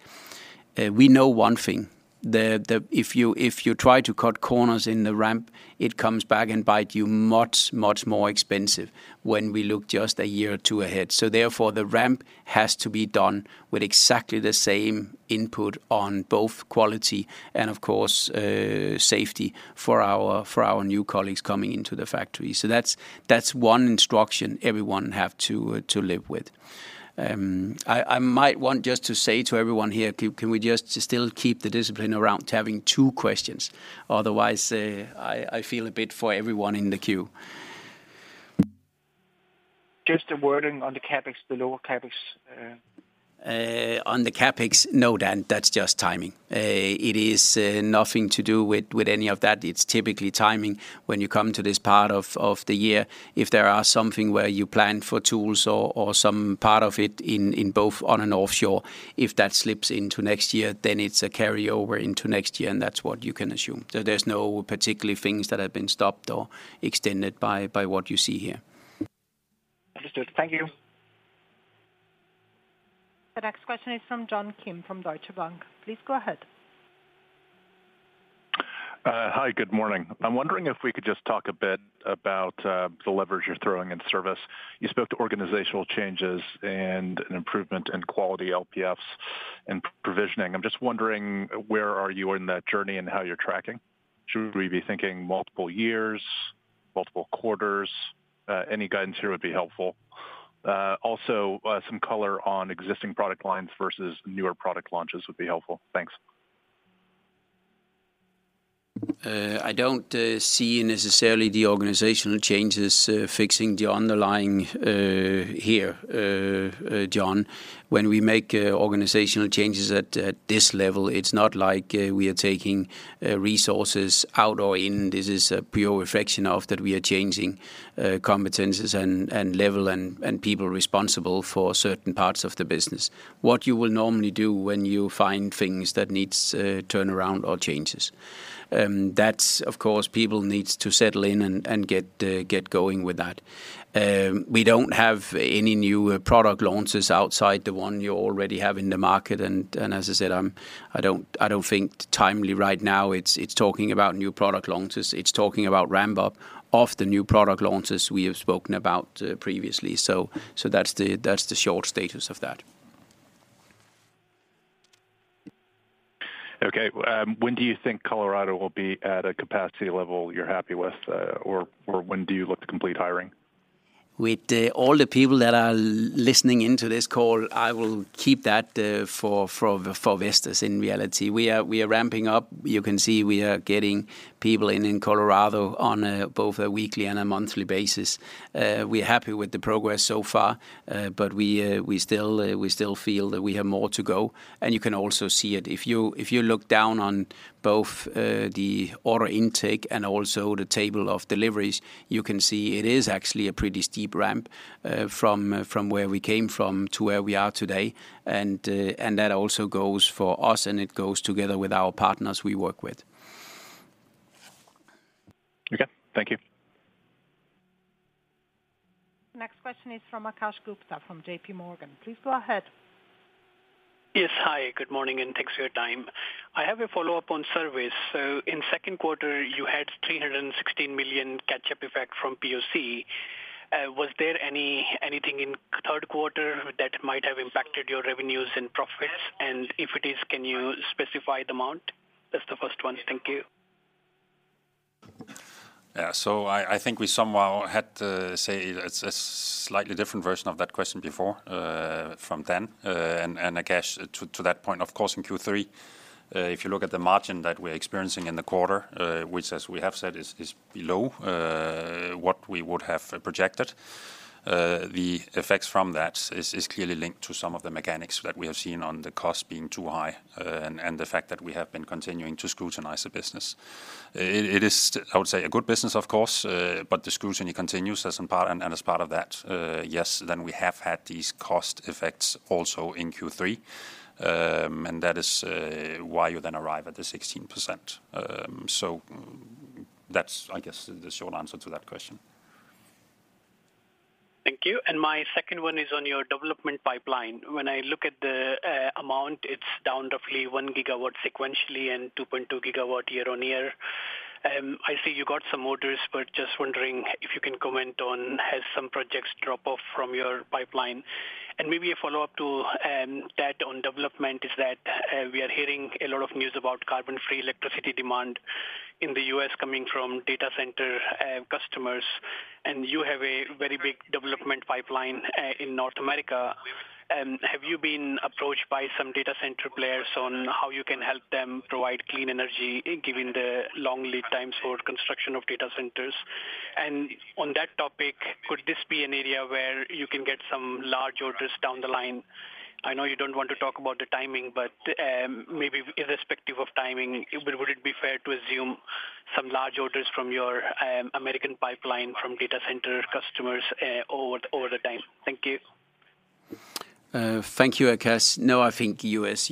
We know one thing. If you try to cut corners in the ramp, it comes back and bites you much, much more expensive when we look just a year or two ahead. So therefore, the ramp has to be done with exactly the same input on both quality and, of course, safety for our new colleagues coming into the factory. So that's one instruction everyone has to live with. I might want just to say to everyone here, can we just still keep the discipline around having two questions? Otherwise, I feel a bit for everyone in the queue. Just the wording on the CapEx, the lower CapEx. On the CapEx, no, Dan, that's just timing. It is nothing to do with any of that. It's typically timing when you come to this part of the year. If there is something where you plan for tools or some part of it in both onshore and offshore, if that slips into next year, then it's a carryover into next year, and that's what you can assume. So there's no particular things that have been stopped or extended by what you see here. Understood. Thank you. The next question is from John Kim from Deutsche Bank. Please go ahead. Hi, good morning. I'm wondering if we could just talk a bit about the levers you're throwing in service. You spoke to organizational changes and an improvement in quality LPFs and provisioning. I'm just wondering where are you in that journey and how you're tracking? Should we be thinking multiple years, multiple quarters? Any guidance here would be helpful. Also, some color on existing product lines versus newer product launches would be helpful. Thanks. I don't see necessarily the organizational changes fixing the underlying here, John. When we make organizational changes at this level, it's not like we are taking resources out or in. This is a pure reflection of that we are changing competencies and level and people responsible for certain parts of the business. What you will normally do when you find things that need turnaround or changes, that's, of course, people need to settle in and get going with that. We don't have any new product launches outside the one you already have in the market. And as I said, I don't think timely right now it's talking about new product launches. It's talking about ramp-up of the new product launches we have spoken about previously. So that's the short status of that. Okay. When do you think Colorado will be at a capacity level you're happy with, or when do you look to complete hiring? With all the people that are listening into this call, I will keep that for Vestas in reality. We are ramping up. You can see we are getting people in Colorado on both a weekly and a monthly basis. We are happy with the progress so far, but we still feel that we have more to go. And you can also see it. If you look down on both the order intake and also the table of deliveries, you can see it is actually a pretty steep ramp from where we came from to where we are today. And that also goes for us, and it goes together with our partners we work with. Okay. Thank you. The next question is from Akash Gupta from J.P. Morgan. Please go ahead. Yes. Hi, good morning, and thanks for your time. I have a follow-up on service. So in second quarter, you had 316 million catch-up effect from POC. Was there anything in third quarter that might have impacted your revenues and profits? And if it is, can you specify the amount? That's the first one. Thank you. Yeah. So I think we somehow had to say a slightly different version of that question before from Dan. And Akash, to that point, of course, in Q3, if you look at the margin that we're experiencing in the quarter, which, as we have said, is below what we would have projected, the effects from that is clearly linked to some of the mechanics that we have seen on the cost being too high and the fact that we have been continuing to scrutinize the business. It is, I would say, a good business, of course, but the scrutiny continues as part of that. Yes, then we have had these cost effects also in Q3, and that is why you then arrive at the 16%. So that's, I guess, the short answer to that question. Thank you. And my second one is on your development pipeline. When I look at the amount, it's down roughly one gigawatt sequentially and 2.2 gigawatts year-on-year. I see you got some motors, but just wondering if you can comment on, has some projects dropped off from your pipeline? And maybe a follow-up to that on development is that we are hearing a lot of news about carbon-free electricity demand in the U.S. coming from data center customers. And you have a very big development pipeline in North America. Have you been approached by some data center players on how you can help them provide clean energy, given the long lead times for construction of data centers? And on that topic, could this be an area where you can get some large orders down the line? I know you don't want to talk about the timing, but maybe irrespective of timing, would it be fair to assume some large orders from your American pipeline from data center customers over the time? Thank you. Thank you, Akash. No, I think U.S.,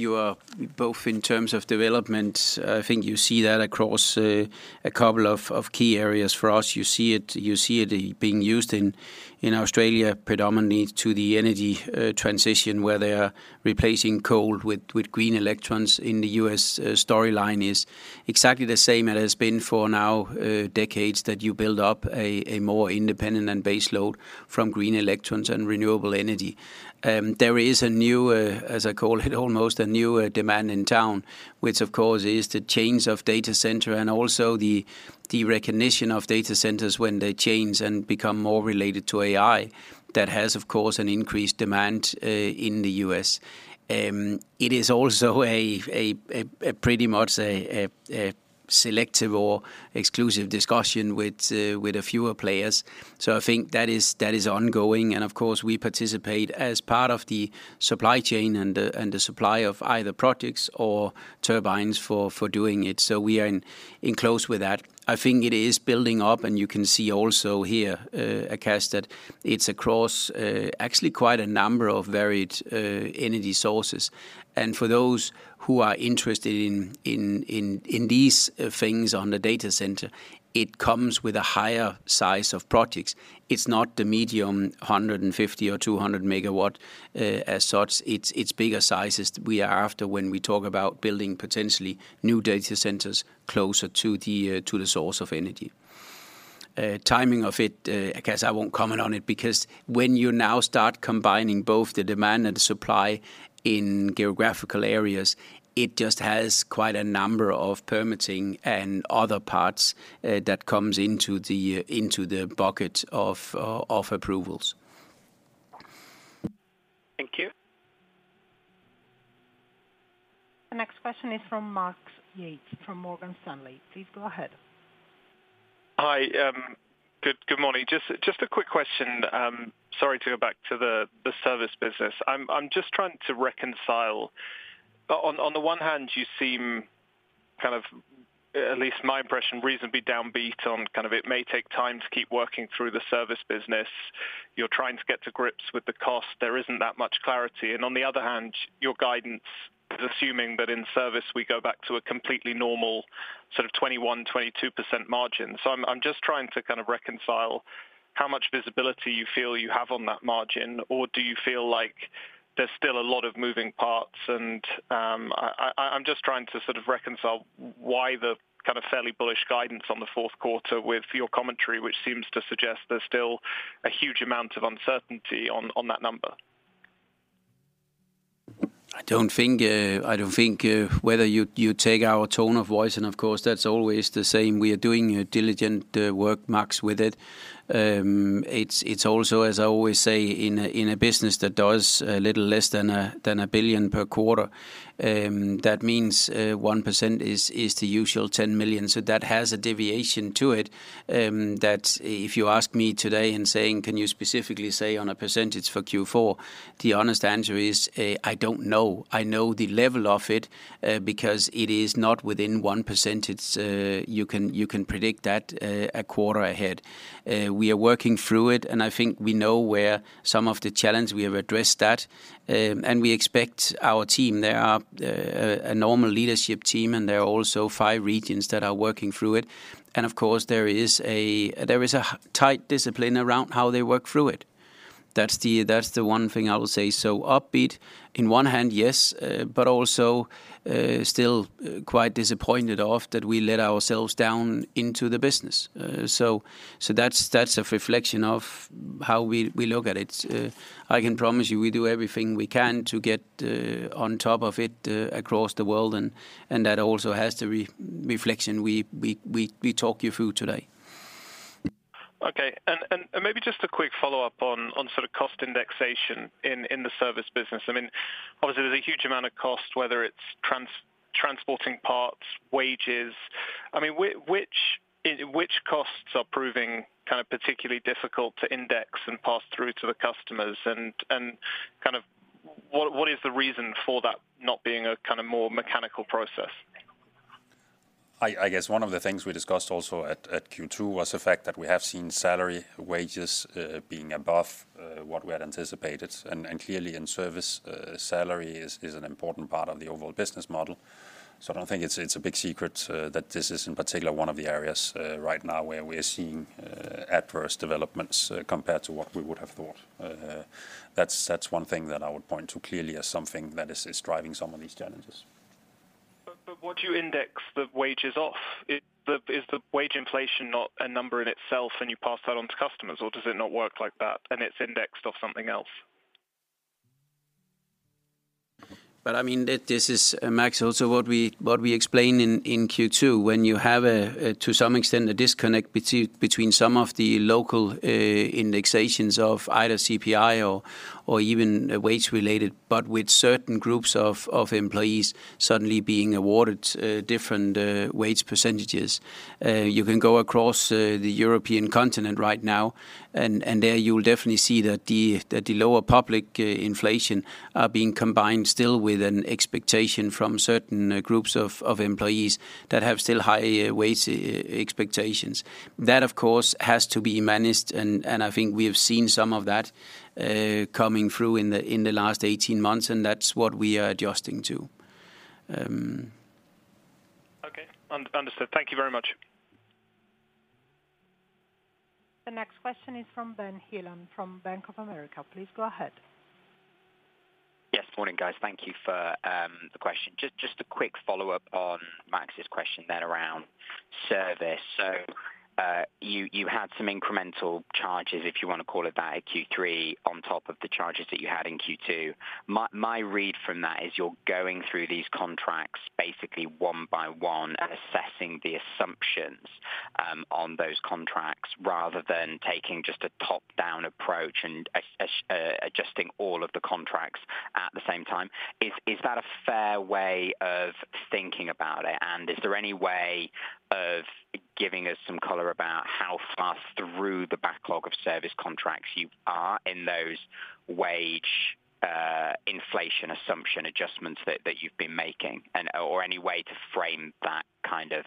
both in terms of development, I think you see that across a couple of key areas for us. You see it being used in Australia predominantly to the energy transition where they are replacing coal with green electrons. In the U.S., the storyline is exactly the same as it has been for now decades that you build up a more independent and base load from green electrons and renewable energy. There is a new, as I call it, almost a new demand in town, which, of course, is the change of data center and also the recognition of data centers when they change and become more related to AI that has, of course, an increased demand in the U.S. It is also pretty much a selective or exclusive discussion with a fewer players. So I think that is ongoing. And, of course, we participate as part of the supply chain and the supply of either projects or turbines for doing it. So we are in close with that. I think it is building up, and you can see also here, Akash, that it's across actually quite a number of varied energy sources. And for those who are interested in these things on the data center, it comes with a higher size of projects. It's not the medium 150 or 200 megawatt as such. It's bigger sizes we are after when we talk about building potentially new data centers closer to the source of energy. Timing of it, Akash, I won't comment on it because when you now start combining both the demand and the supply in geographical areas, it just has quite a number of permitting and other parts that come into the bucket of approvals. Thank you. The next question is from Max Yates from Morgan Stanley. Please go ahead. Hi. Good morning. Just a quick question. Sorry to go back to the service business. I'm just trying to reconcile. On the one hand, you seem kind of, at least my impression, reasonably downbeat on kind of it may take time to keep working through the service business. You're trying to get to grips with the cost. There isn't that much clarity. And on the other hand, your guidance is assuming that in service, we go back to a completely normal sort of 21%-22% margin. So I'm just trying to kind of reconcile how much visibility you feel you have on that margin, or do you feel like there's still a lot of moving parts? I'm just trying to sort of reconcile why the kind of fairly bullish guidance on the fourth quarter with your commentary, which seems to suggest there's still a huge amount of uncertainty on that number. I don't think whether you take our tone of voice, and of course, that's always the same. We are doing diligent work, Max, with it. It's also, as I always say, in a business that does a little less than a billion per quarter, that means 1% is the usual 10 million. So that has a deviation to it. If you ask me today and say, "Can you specifically say on a percentage for Q4?" The honest answer is, "I don't know." I know the level of it because it is not within 1%. You can predict that a quarter ahead. We are working through it, and I think we know where some of the challenges we have addressed that. And we expect our team, there are a normal leadership team, and there are also five regions that are working through it. Of course, there is a tight discipline around how they work through it. That's the one thing I will say. Upbeat on one hand, yes, but also still quite disappointed that we let ourselves down in the business. That's a reflection of how we look at it. I can promise you we do everything we can to get on top of it across the world. That also has the reflection we talk you through today. Okay. And maybe just a quick follow-up on sort of cost indexation in the service business. I mean, obviously, there's a huge amount of cost, whether it's transporting parts, wages. I mean, which costs are proving kind of particularly difficult to index and pass through to the customers? And kind of what is the reason for that not being a kind of more mechanical process? I guess one of the things we discussed also at Q2 was the fact that we have seen salary wages being above what we had anticipated, and clearly, in service, salary is an important part of the overall business model, so I don't think it's a big secret that this is in particular one of the areas right now where we are seeing adverse developments compared to what we would have thought. That's one thing that I would point to clearly as something that is driving some of these challenges. But what do you index the wages off? Is the wage inflation not a number in itself and you pass that on to customers, or does it not work like that and it's indexed off something else? But I mean, this is, Max, also what we explained in Q2. When you have, to some extent, a disconnect between some of the local indexations of either CPI or even wage-related, but with certain groups of employees suddenly being awarded different wage percentages, you can go across the European continent right now, and there you will definitely see that the lower public inflation are being combined still with an expectation from certain groups of employees that have still high wage expectations. That, of course, has to be managed, and I think we have seen some of that coming through in the last 18 months, and that's what we are adjusting to. Okay. Understood. Thank you very much. The next question is from Ben Heelan from Bank of America. Please go ahead. Yes. Morning, guys. Thank you for the question. Just a quick follow-up on Max's question then around service. So you had some incremental charges, if you want to call it that, at Q3 on top of the charges that you had in Q2. My read from that is you're going through these contracts basically one by one and assessing the assumptions on those contracts rather than taking just a top-down approach and adjusting all of the contracts at the same time. Is that a fair way of thinking about it? And is there any way of giving us some color about how far through the backlog of service contracts you are in those wage inflation assumption adjustments that you've been making, or any way to frame that kind of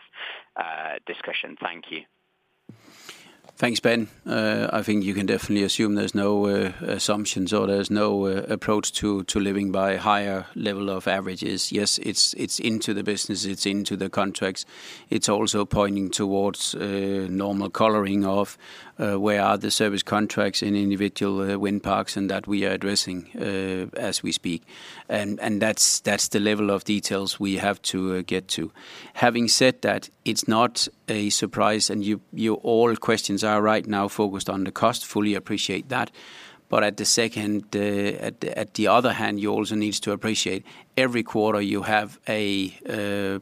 discussion? Thank you. Thanks, Ben. I think you can definitely assume there's no assumptions or there's no approach to living by higher level of averages. Yes, it's into the business. It's into the contracts. It's also pointing towards normal coloring of where are the service contracts in individual wind parks and that we are addressing as we speak. And that's the level of details we have to get to. Having said that, it's not a surprise, and all questions are right now focused on the cost. Fully appreciate that. But on the other hand, you also need to appreciate every quarter you have a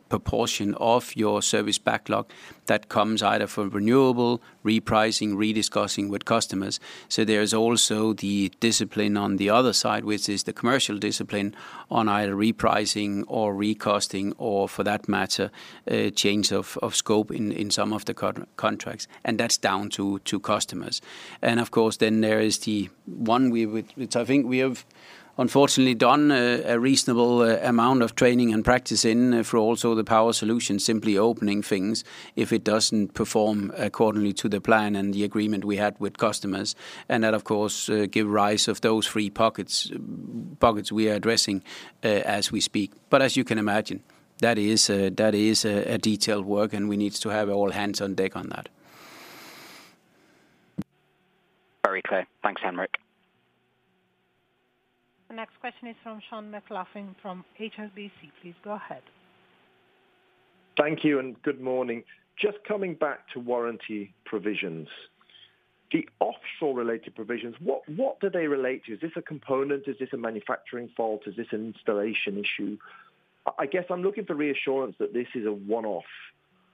proportion of your service backlog that comes either from renewals, repricing, rediscussing with customers. So there is also the discipline on the other side, which is the commercial discipline on either repricing or recosting or, for that matter, change of scope in some of the contracts. That's down to customers. Of course, then there is the one which I think we have unfortunately done a reasonable amount of training and practice in for also the Power Solutions, simply opening things if it doesn't perform accordingly to the plan and the agreement we had with customers. That, of course, gives rise to those three buckets we are addressing as we speak. As you can imagine, that is a detailed work, and we need to have all hands on deck on that. Very clear. Thanks, Henrik. The next question is from Sean McLoughlin from HSBC. Please go ahead. Thank you and good morning. Just coming back to warranty provisions, the offshore-related provisions, what do they relate to? Is this a component? Is this a manufacturing fault? Is this an installation issue? I guess I'm looking for reassurance that this is a one-off,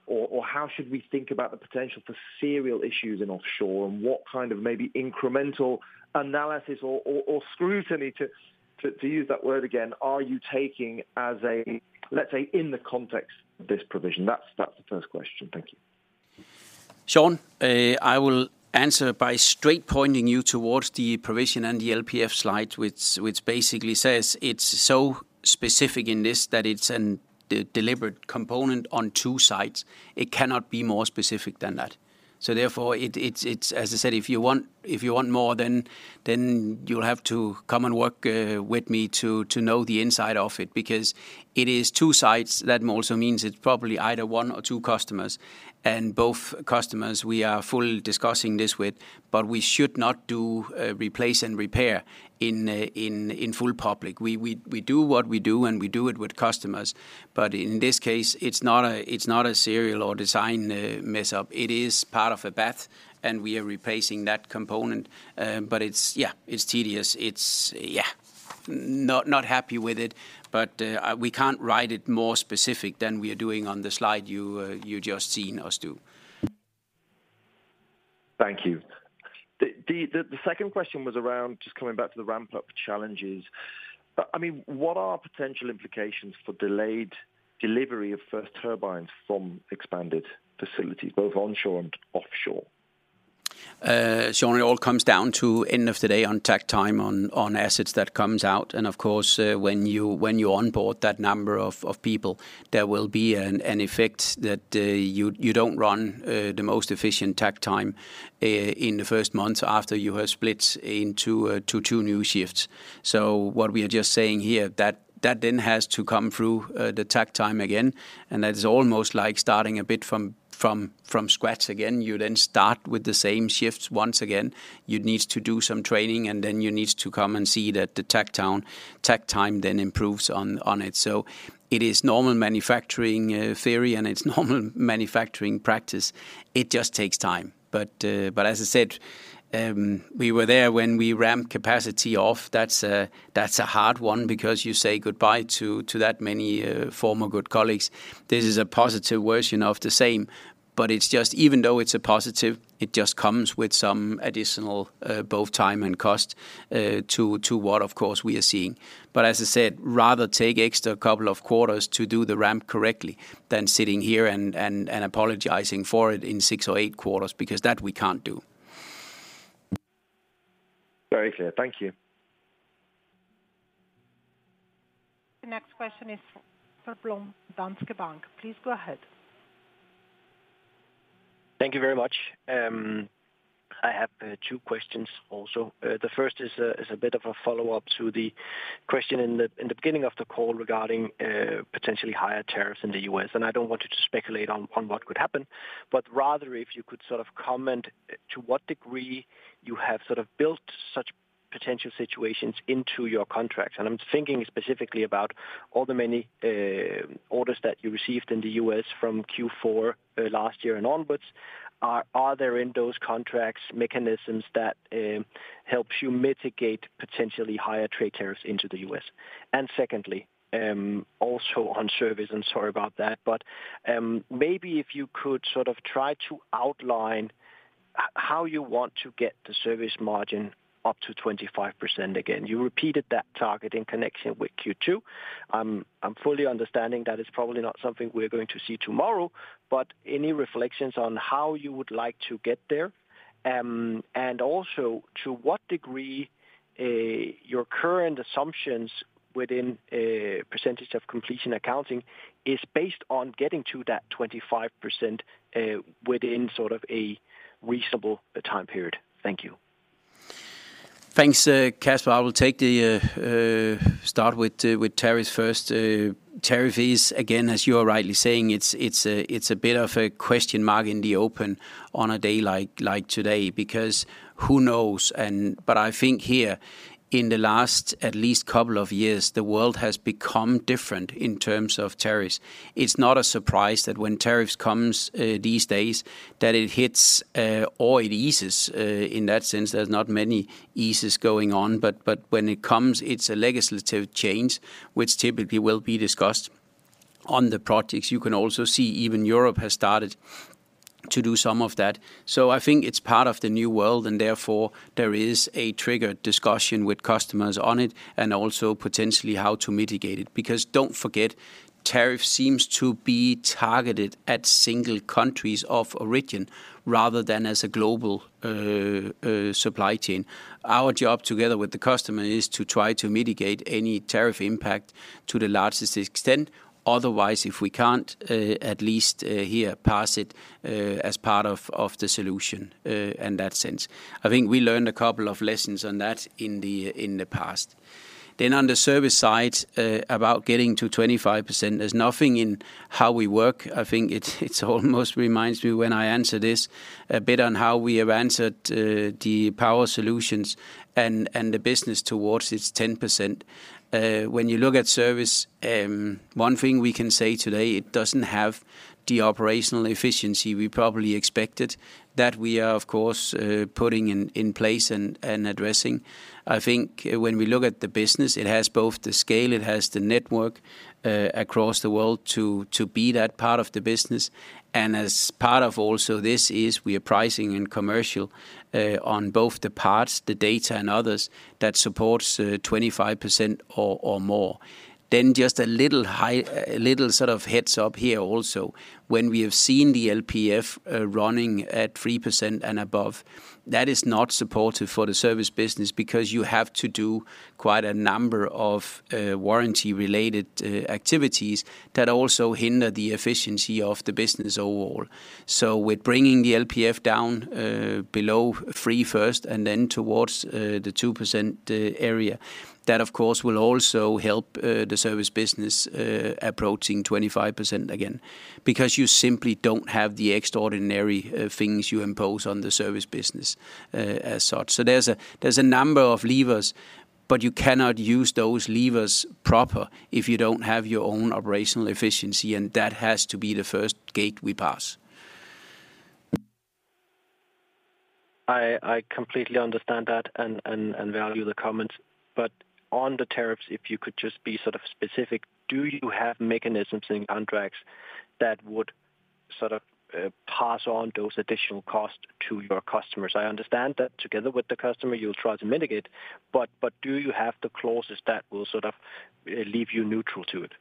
or how should we think about the potential for serial issues in offshore. And what kind of maybe incremental analysis or scrutiny, to use that word again, are you taking as a, let's say, in the context of this provision? That's the first question. Thank you. Sean, I will answer by straight pointing you towards the provision and the LPF slide, which basically says it's so specific in this that it's a deliberate component on two sides. It cannot be more specific than that. Therefore, as I said, if you want more, then you'll have to come and work with me to know the inside of it because it is two sides. That also means it's probably either one or two customers, and both customers we are fully discussing this with, but we should not do replace and repair in full public. We do what we do, and we do it with customers. In this case, it's not a serial or design mess-up. It is part of a batch, and we are replacing that component. Yeah, it's tedious. Yeah, not happy with it, but we can't write it more specific than we are doing on the slide you just seen us do. Thank you. The second question was around just coming back to the ramp-up challenges. I mean, what are potential implications for delayed delivery of first turbines from expanded facilities, both onshore and offshore? Sean, it all comes down to end of the day on takt time on assets that comes out, and of course, when you onboard that number of people, there will be an effect that you don't run the most efficient takt time in the first months after you have split into two new shifts. So what we are just saying here, that then has to come through the takt time again, and that is almost like starting a bit from scratch again. You then start with the same shifts once again. You need to do some training, and then you need to come and see that the takt time then improves on it. So it is normal manufacturing theory, and it's normal manufacturing practice. It just takes time, but as I said, we were there when we ramped capacity off. That's a hard one because you say goodbye to that many former good colleagues. This is a positive version of the same. But even though it's a positive, it just comes with some additional both time and cost to what, of course, we are seeing. But as I said, rather take extra a couple of quarters to do the ramp correctly than sitting here and apologizing for it in six or eight quarters because that we can't do. Very clear. Thank you. The next question is for Casper Blom, Danske Bank. Please go ahead. Thank you very much. I have two questions also. The first is a bit of a follow-up to the question in the beginning of the call regarding potentially higher tariffs in the U.S., And I don't want you to speculate on what could happen, but rather if you could sort of comment to what degree you have sort of built such potential situations into your contracts. And I'm thinking specifically about all the many orders that you received in the U.S. from Q4 last year and onwards. Are there in those contracts mechanisms that help you mitigate potentially higher trade tariffs into the US? And secondly, also on service, I'm sorry about that, but maybe if you could sort of try to outline how you want to get the service margin up to 25% again. You repeated that target in connection with Q2. I'm fully understanding that it's probably not something we're going to see tomorrow, but any reflections on how you would like to get there? And also to what degree your current assumptions within percentage of completion accounting is based on getting to that 25% within sort of a reasonable time period? Thank you. Thanks, Casper. I will start with tariffs first. Tariff is, again, as you are rightly saying, it's a bit of a question mark in the open on a day like today because who knows? But I think here in the last at least couple of years, the world has become different in terms of tariffs. It's not a surprise that when tariffs come these days, that it hits or it eases. In that sense, there's not many eases going on. But when it comes, it's a legislative change, which typically will be discussed on the projects. You can also see even Europe has started to do some of that. So I think it's part of the new world, and therefore there is a triggered discussion with customers on it and also potentially how to mitigate it. Because don't forget, tariffs seem to be targeted at single countries of origin rather than as a global supply chain. Our job together with the customer is to try to mitigate any tariff impact to the largest extent. Otherwise, if we can't, at least here pass it as part of the solution in that sense. I think we learned a couple of lessons on that in the past. Then on the service side, about getting to 25%, there's nothing in how we work. I think it almost reminds me when I answer this a bit on how we have answered the Power Solutions and the business towards its 10%. When you look at service, one thing we can say today, it doesn't have the operational efficiency we probably expected that we are, of course, putting in place and addressing. I think when we look at the business, it has both the scale, it has the network across the world to be that part of the business. And as part of also this is we are pricing and commercial on both the parts, the data and others that supports 25% or more. Then just a little sort of heads up here also, when we have seen the LPF running at 3% and above, that is not supportive for the service business because you have to do quite a number of warranty-related activities that also hinder the efficiency of the business overall. So with bringing the LPF down below 3% first and then towards the 2% area, that of course will also help the service business approaching 25% again because you simply don't have the extraordinary things you impose on the service business as such. So there's a number of levers, but you cannot use those levers proper if you don't have your own operational efficiency, and that has to be the first gate we pass. I completely understand that and value the comments. But on the tariffs, if you could just be sort of specific, do you have mechanisms in contracts that would sort of pass on those additional costs to your customers? I understand that together with the customer, you'll try to mitigate, but do you have the clauses that will sort of leave you neutral to it?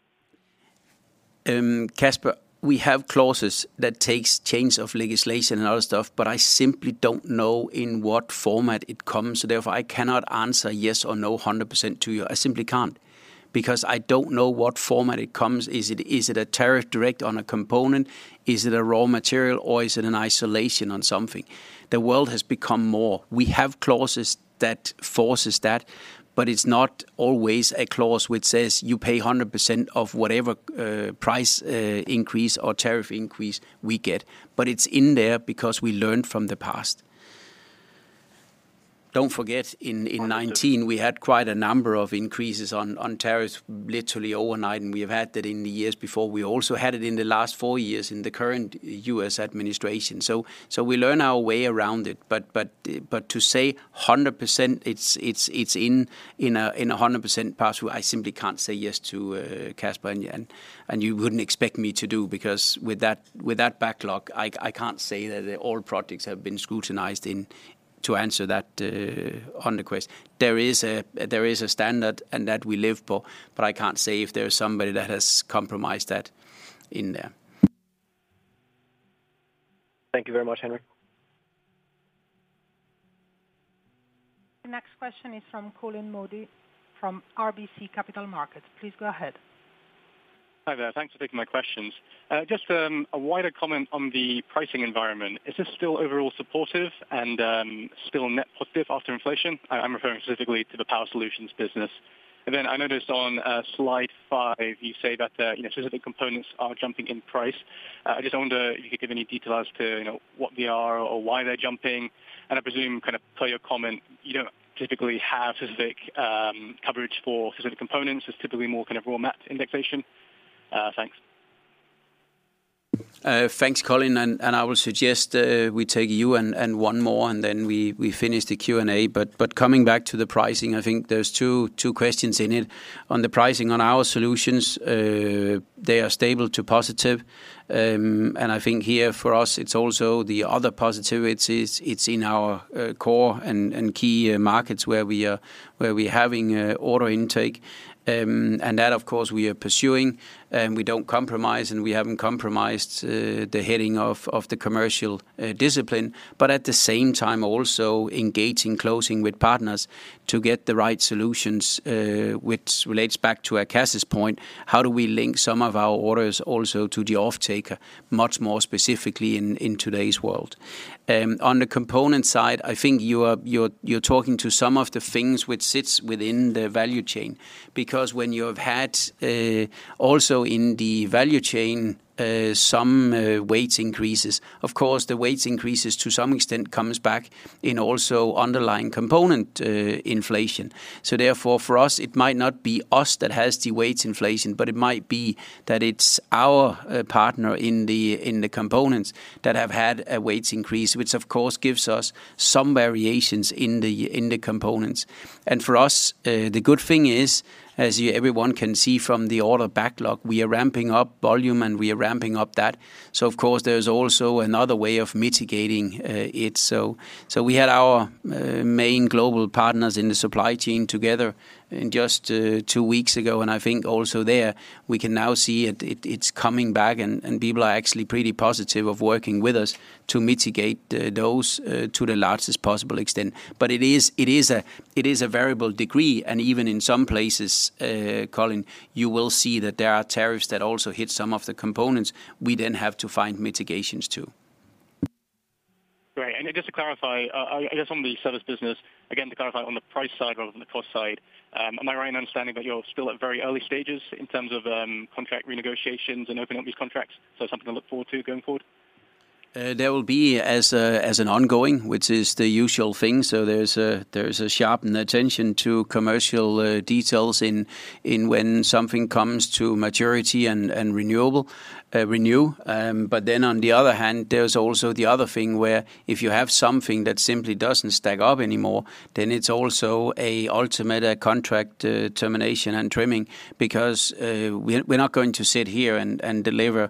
Casper, we have clauses that take change of legislation and other stuff, but I simply don't know in what format it comes. Therefore, I cannot answer yes or no 100% to you. I simply can't because I don't know what format it comes. Is it a tariff direct on a component? Is it a raw material or is it an isolation on something? The world has become more. We have clauses that force that, but it's not always a clause which says you pay 100% of whatever price increase or tariff increase we get. But it's in there because we learned from the past. Don't forget, in 2019, we had quite a number of increases on tariffs literally overnight, and we have had that in the years before. We also had it in the last four years in the current U.S. administration. So we learn our way around it. But to say 100%, it's not a 100% pass rate, I simply can't say yes to, Casper, and you wouldn't expect me to do because with that backlog, I can't say that all projects have been scrutinized to answer that 100% question. There is a standard and that we live for, but I can't say if there's somebody that has compromised that in there. Thank you very much, Henrik. The next question is from Colin Moody from RBC Capital Markets. Please go ahead. Hi there. Thanks for taking my questions. Just a wider comment on the pricing environment. Is this still overall supportive and still net positive after inflation? I'm referring specifically to the Power Solutions business. And then I noticed on slide five, you say that specific components are jumping in price. I just wonder if you could give any details as to what they are or why they're jumping. And I presume kind of per your comment, you don't typically have specific coverage for specific components. It's typically more kind of raw material indexation. Thanks. Thanks, Colin. And I will suggest we take you and one more, and then we finish the Q&A. But coming back to the pricing, I think there's two questions in it. On the pricing on our solutions, they are stable to positive. And I think here for us, it's also the other positive. It's in our core and key markets where we are having order intake. And that, of course, we are pursuing. We don't compromise, and we haven't compromised the heading of the commercial discipline. But at the same time, also engaging closing with partners to get the right solutions, which relates back to Akash's point, how do we link some of our orders also to the off-taker, much more specifically in today's world? On the component side, I think you're talking to some of the things which sits within the value chain because when you have had also in the value chain some weight increases, of course, the weight increases to some extent comes back in also underlying component inflation. So therefore, for us, it might not be us that has the weight inflation, but it might be that it's our partner in the components that have had a weight increase, which of course gives us some variations in the components. And for us, the good thing is, as everyone can see from the order backlog, we are ramping up volume and we are ramping up that. So of course, there's also another way of mitigating it. So we had our main global partners in the supply chain together just two weeks ago, and I think also there we can now see it's coming back and people are actually pretty positive of working with us to mitigate those to the largest possible extent. But it is a variable degree, and even in some places, Colin, you will see that there are tariffs that also hit some of the components we then have to find mitigations to. Right, and just to clarify, I guess on the service business, again, to clarify on the price side rather than the cost side, am I right in understanding that you're still at very early stages in terms of contract renegotiations and opening up these contracts? So something to look forward to going forward? There will be an ongoing, which is the usual thing. So there's sharp attention to commercial details in when something comes to maturity and renewal. But then on the other hand, there's also the other thing where if you have something that simply doesn't stack up anymore, then it's also an ultimate contract termination and trimming because we're not going to sit here and deliver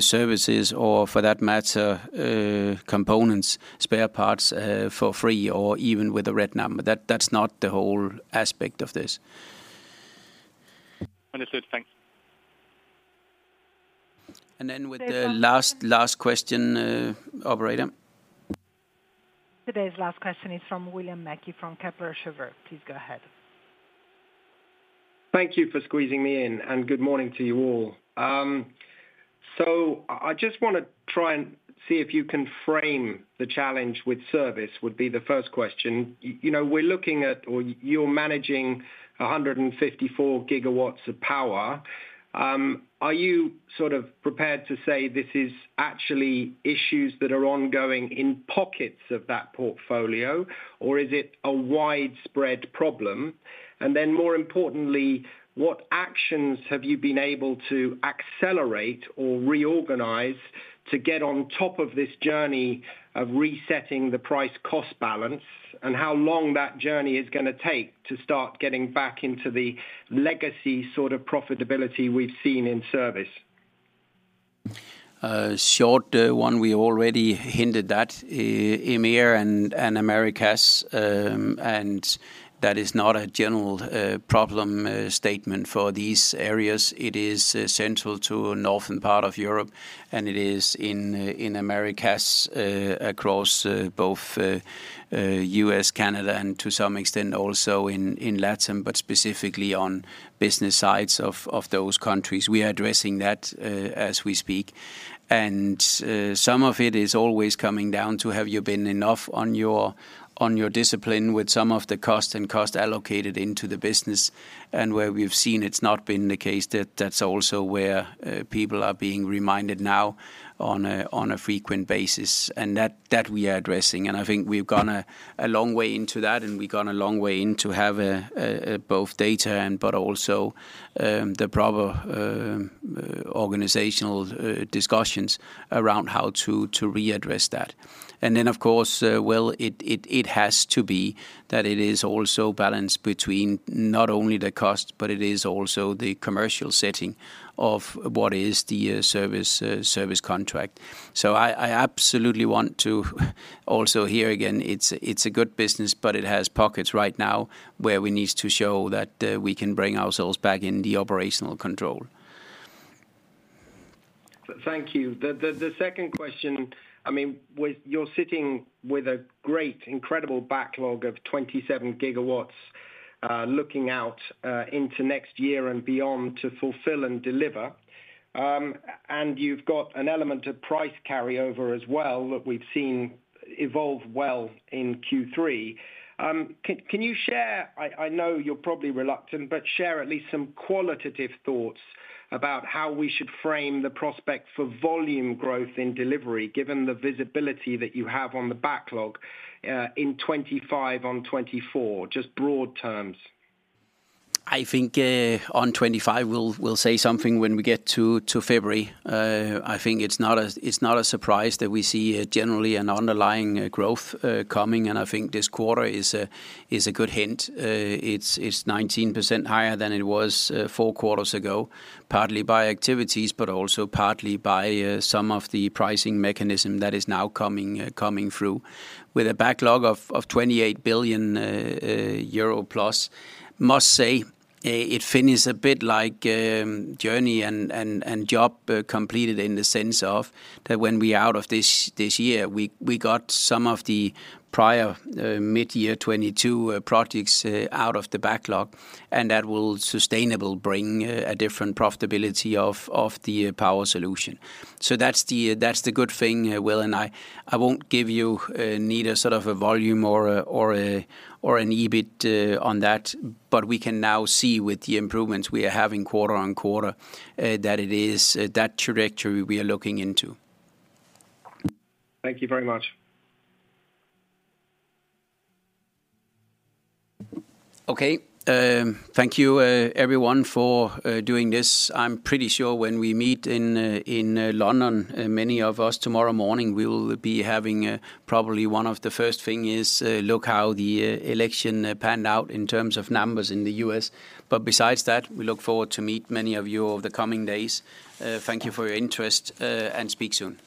services or for that matter components, spare parts for free or even with a red number. That's not the whole aspect of this. Understood. Thanks. And then with the last question, operator. Today's last question is from William Mackie from Kepler Cheuvreux. Please go ahead. Thank you for squeezing me in and good morning to you all. So I just want to try and see if you can frame the challenge with service would be the first question. We're looking at or you're managing 154 gigawatts of power. Are you sort of prepared to say this is actually issues that are ongoing in pockets of that portfolio, or is it a widespread problem? And then more importantly, what actions have you been able to accelerate or reorganize to get on top of this journey of resetting the price-cost balance and how long that journey is going to take to start getting back into the legacy sort of profitability we've seen in service? Short one, we already hinted at, EMEA and Americas, and that is not a general problem statement for these areas. It is central to northern part of Europe, and it is in Americas across both U.S., Canada, and to some extent also in Latin, but specifically on business sides of those countries. We are addressing that as we speak, and some of it is always coming down to have you been enough on your discipline with some of the costs and costs allocated into the business. Where we've seen it's not been the case, that's also where people are being reminded now on a frequent basis, and that we are addressing. I think we've gone a long way into that, and we've gone a long way into having both data, but also the proper organizational discussions around how to readdress that. And then, of course, well, it has to be that it is also balanced between not only the cost, but it is also the commercial setting of what is the service contract. So I absolutely want to also hear again, it's a good business, but it has pockets right now where we need to show that we can bring ourselves back in the operational control. Thank you. The second question, I mean, you're sitting with a great, incredible backlog of 27 gigawatts looking out into next year and beyond to fulfill and deliver. And you've got an element of price carryover as well that we've seen evolve well in Q3. Can you share, I know you're probably reluctant, but share at least some qualitative thoughts about how we should frame the prospect for volume growth in delivery given the visibility that you have on the backlog in 2025 on 2024, just broad terms? I think on 2025, we'll say something when we get to February. I think it's not a surprise that we see generally an underlying growth coming, and I think this quarter is a good hint. It's 19% higher than it was four quarters ago, partly by activities, but also partly by some of the pricing mechanism that is now coming through. With a backlog of 28 billion euro EUR plus, must say it finished a bit like journey and job completed in the sense of that when we are out of this year, we got some of the prior mid-year 2022 projects out of the backlog, and that will sustainably bring a different profitability of the Power Solution. That's the good thing, Will, and I won't give you neither sort of a volume or an EBIT on that, but we can now see with the improvements we are having quarter on quarter that it is that trajectory we are looking into. Thank you very much. Okay. Thank you, everyone, for doing this. I'm pretty sure when we meet in London, many of us tomorrow morning, we will be having probably one of the first things is look how the election panned out in terms of numbers in the U.S. But besides that, we look forward to meet many of you over the coming days. Thank you for your interest and speak soon.